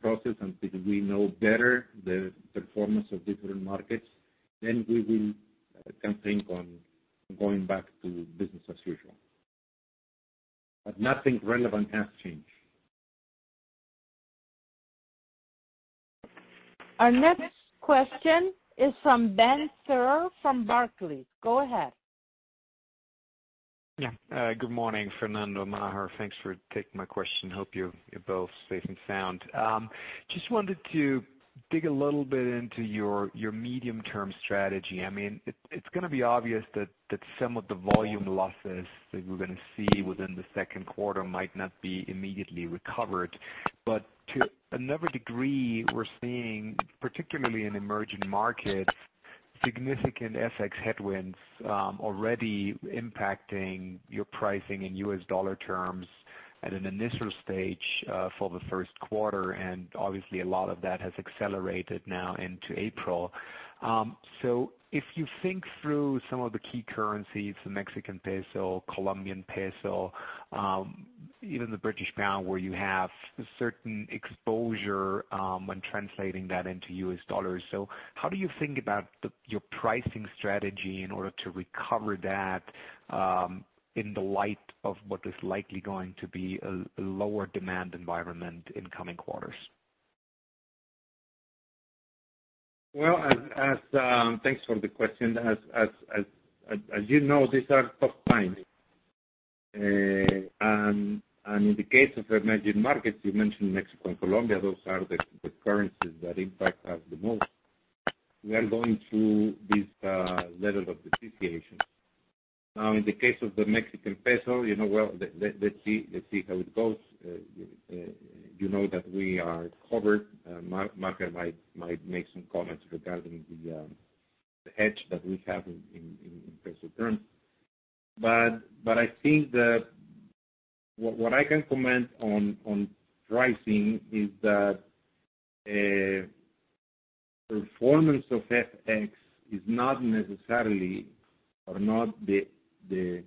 process and we know better the performance of different markets, then we can think on going back to business as usual. Nothing relevant has changed. Our next question is from Ben Theurer from Barclays. Go ahead. Yeah. Good morning, Fernando, Maher. Thanks for taking my question. Hope you're both safe and sound. Just wanted to dig a little bit into your medium-term strategy. It's going to be obvious that some of the volume losses that we're going to see within the second quarter might not be immediately recovered. To another degree, we're seeing, particularly in emerging markets, significant FX headwinds already impacting your pricing in U.S. dollar terms at an initial stage for the first quarter, and obviously a lot of that has accelerated now into April. If you think through some of the key currencies, the Mexican peso, Colombian peso, even the British pound, where you have a certain exposure when translating that into U.S. dollars. How do you think about your pricing strategy in order to recover that in the light of what is likely going to be a lower demand environment in coming quarters? Thanks for the question. As you know, these are tough times. In the case of emerging markets, you mentioned Mexico and Colombia, those are the currencies that impact us the most. We are going through this level of depreciation. In the case of the Mexican peso, let's see how it goes. You know that we are covered. Maher might make some comments regarding the hedge that we have in peso terms. What I can comment on pricing is that performance of FX is not necessarily the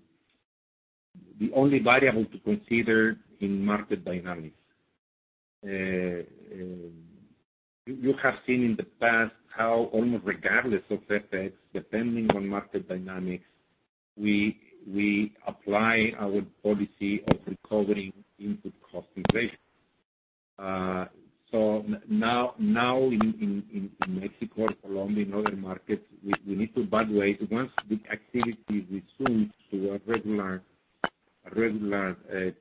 only variable to consider in market dynamics. You have seen in the past how almost regardless of FX, depending on market dynamics, we apply our policy of recovering input cost inflation. Now in Mexico, Colombia, and other markets, once the activity resumes to a regular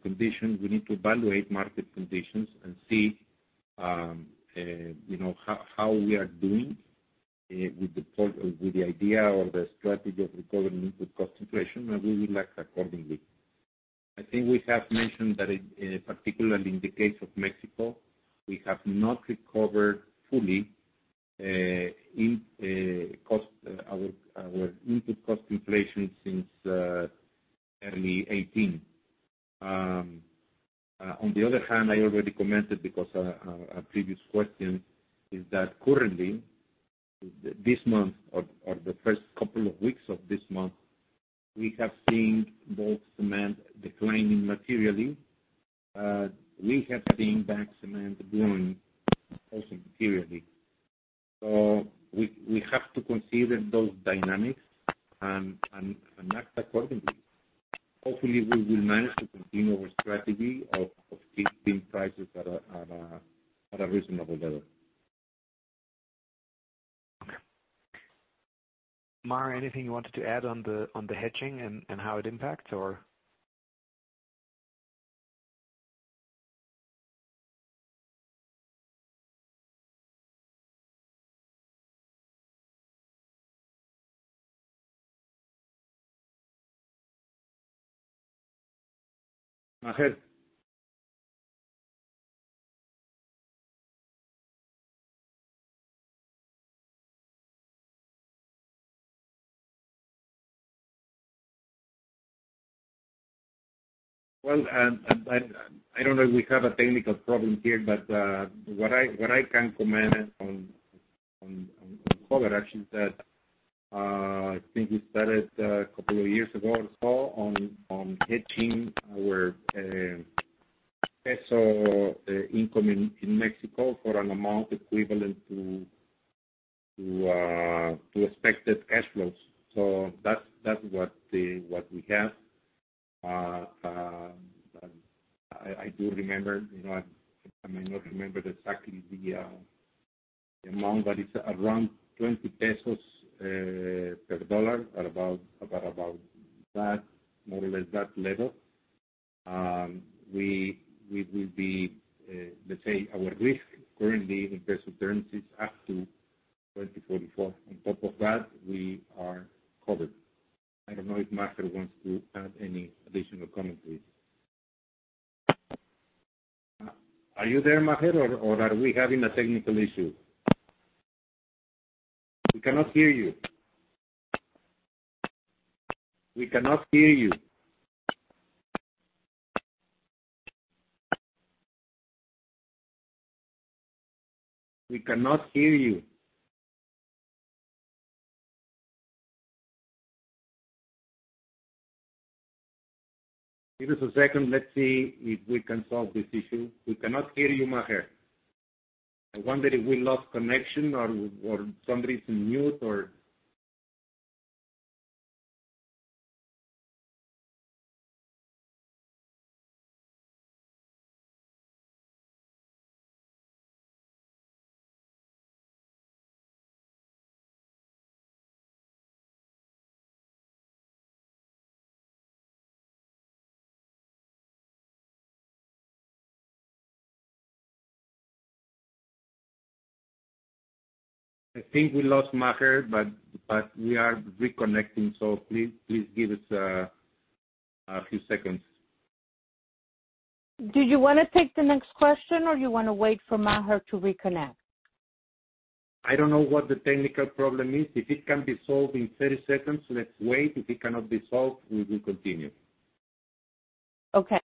condition, we need to evaluate market conditions and see how we are doing with the idea or the strategy of recovering input cost inflation, and we will act accordingly. I think we have mentioned that, particularly in the case of Mexico, we have not recovered fully our input cost inflation since early 2018. On the other hand, I already commented because a previous question is that currently, this month or the first couple of weeks of this month, we have seen bulk cement declining materially. We have seen bag cement growing also materially. We have to consider those dynamics and act accordingly. Hopefully, we will manage to continue our strategy of keeping prices at a reasonable level. Okay. Maher, anything you wanted to add on the hedging and how it impacts or? Maher. Well, I don't know if we have a technical problem here, but what I can comment on cover actually is that I think we started a couple of years ago or so on hedging our peso income in Mexico for an amount equivalent to expected cash flows. That's what we have. I do remember, I may not remember exactly the amount, but it's around 20 pesos per dollar or about that, more or less that level. Let's say our risk currently in peso terms is up to 20.44. On top of that, we are covered. I don't know if Maher wants to add any additional comment, please. Are you there, Maher, or are we having a technical issue? We cannot hear you. Give us a second. Let's see if we can solve this issue. We cannot hear you, Maher. I wonder if we lost connection or for some reason mute or. I think we lost Maher, but we are reconnecting, so please give us a few seconds. Do you want to take the next question, or you want to wait for Maher to reconnect? I don't know what the technical problem is. If it can be solved in 30 seconds, let's wait. If it cannot be solved, we will continue. Okay.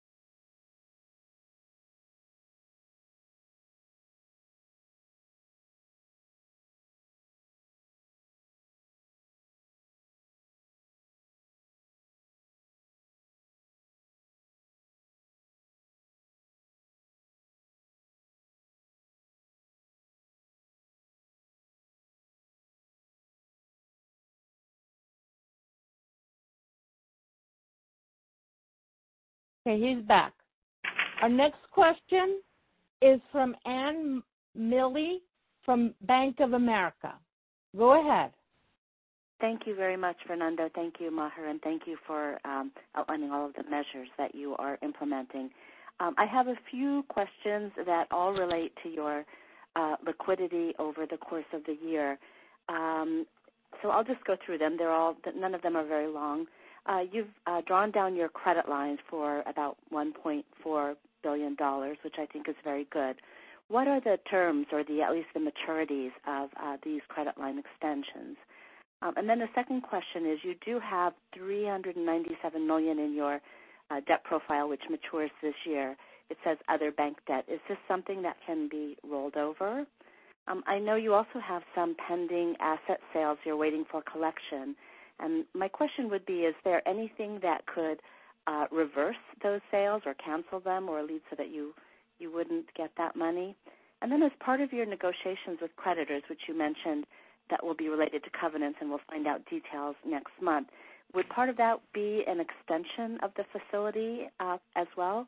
Okay, he's back. Our next question is from Anne Milne from Bank of America. Go ahead. Thank you very much, Fernando. Thank you, Maher, and thank you for outlining all of the measures that you are implementing. I have a few questions that all relate to your liquidity over the course of the year. I'll just go through them. None of them are very long. You've drawn down your credit lines for about $1.4 billion, which I think is very good. What are the terms or at least the maturities of these credit line extensions? The second question is, you do have $397 million in your debt profile, which matures this year. It says other bank debt. Is this something that can be rolled over? I know you also have some pending asset sales you're waiting for collection. My question would be, is there anything that could reverse those sales or cancel them, or at least so that you wouldn't get that money? As part of your negotiations with creditors, which you mentioned, that will be related to covenants and we'll find out details next month. Would part of that be an extension of the facility as well?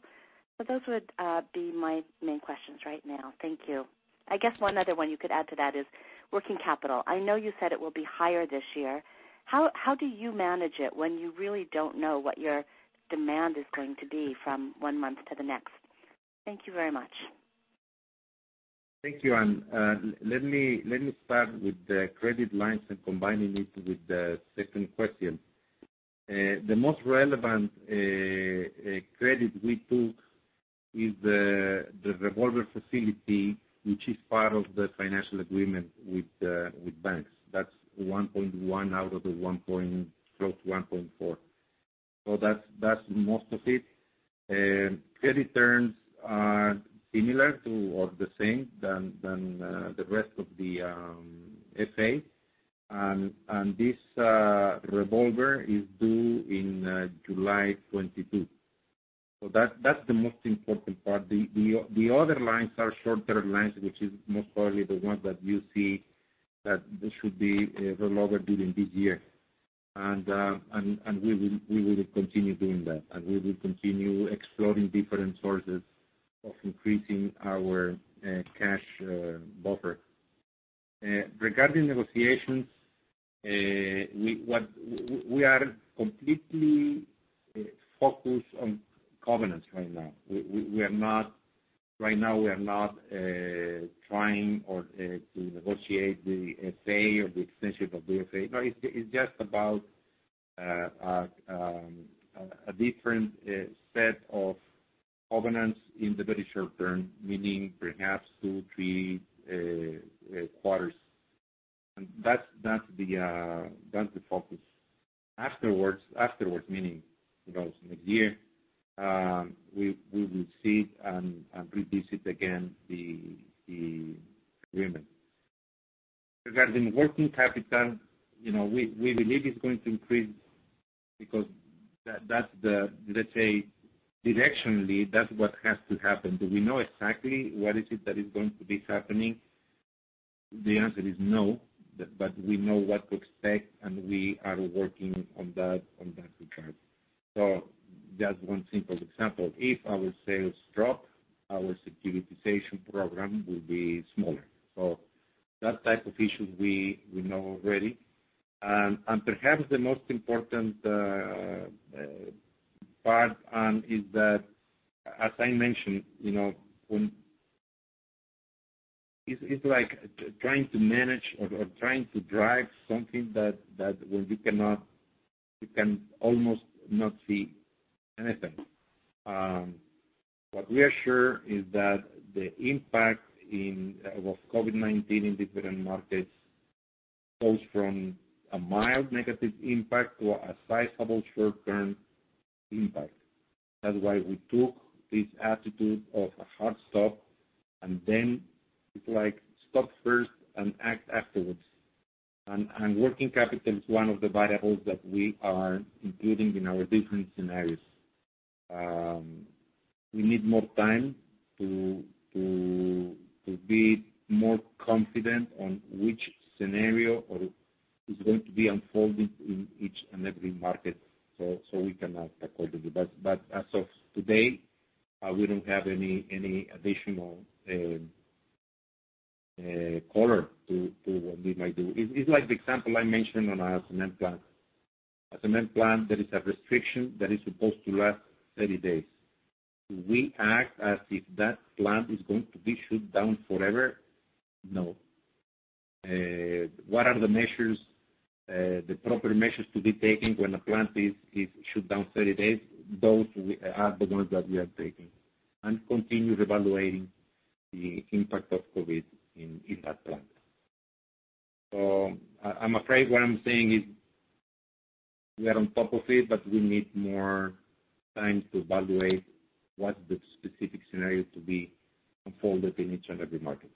Those would be my main questions right now. Thank you. I guess one other one you could add to that is working capital. I know you said it will be higher this year. How do you manage it when you really don't know what your demand is going to be from one month to the next? Thank you very much. Thank you, Anne. Let me start with the credit lines and combining it with the second question. The most relevant credit we took is the revolver facility, which is part of the financial agreement with banks. That's $1.1 out of the close to $1.4. That's most of it. Credit terms are similar to or the same than the rest of the SA. This revolver is due in July 2022. That's the most important part. The other lines are short-term lines, which is most probably the ones that you see that this should be revolver during this year. And we will continue doing that, and we will continue exploring different sources of increasing our cash buffer. Regarding negotiations, we are completely focused on covenants right now. Right now, we are not trying to negotiate the SA or the extension of the SA. It's just about a different set of covenants in the very short term, meaning perhaps two, three quarters. That's the focus. Afterwards, meaning next year, we will see and revisit again the agreement. Regarding working capital, we believe it's going to increase because that's the, let's say, directionally, that's what has to happen. Do we know exactly what is it that is going to be happening? The answer is no, but we know what to expect, and we are working on that regard. Just one simple example. If our sales drop, our securitization program will be smaller. That type of issue we know already. Perhaps the most important part is that, as I mentioned, it's like trying to manage or trying to drive something that we can almost not see anything. What we are sure is that the impact of COVID-19 in different markets goes from a mild negative impact to a sizable short-term impact. That's why we took this attitude of a hard stop, and then it's like stop first and act afterwards. Working capital is one of the variables that we are including in our different scenarios. We need more time to be more confident on which scenario is going to be unfolding in each and every market, so we can act accordingly. As of today, we don't have any additional color to what we might do. It's like the example I mentioned on our cement plant. Cement plant, there is a restriction that is supposed to last 30 days. Do we act as if that plant is going to be shut down forever? No. What are the proper measures to be taken when a plant is shut down 30 days? Those are the ones that we are taking and continue evaluating the impact of COVID in that plant. I'm afraid what I'm saying is we are on top of it, but we need more time to evaluate what the specific scenario to be unfolded in each and every market.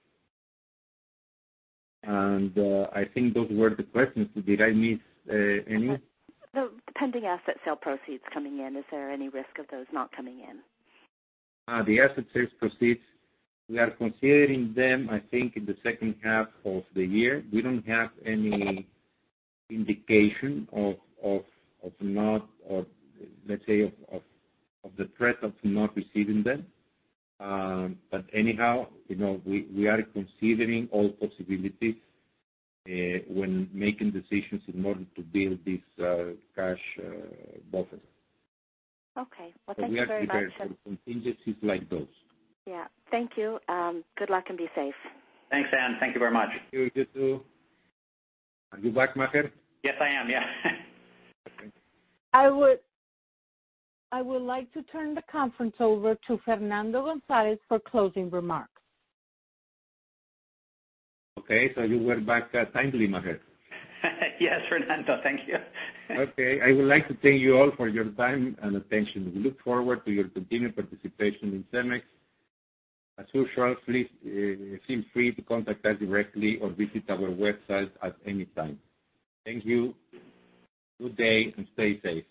I think those were the questions. Did I miss any? No. Pending asset sale proceeds coming in, is there any risk of those not coming in? The asset sales proceeds, we are considering them, I think, in the second half of the year. We don't have any indication of the threat of not receiving them. Anyhow, we are considering all possibilities when making decisions in order to build these cash buffers. Okay. Well, thank you very much. We are prepared for contingencies like those. Yeah. Thank you. Good luck, and be safe. Thanks, Anne. Thank you very much. Thank you. You too. Are you back, Maher? Yes, I am. Yeah. Okay. I would like to turn the conference over to Fernando González for closing remarks. Okay, you were back timely, Maher. Yes, Fernando. Thank you. Okay. I would like to thank you all for your time and attention. We look forward to your continued participation in CEMEX. As usual, please feel free to contact us directly or visit our website at any time. Thank you. Good day, and stay safe.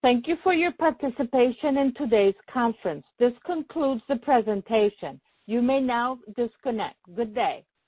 Thank you for your participation in today's conference. This concludes the presentation. You may now disconnect. Good day.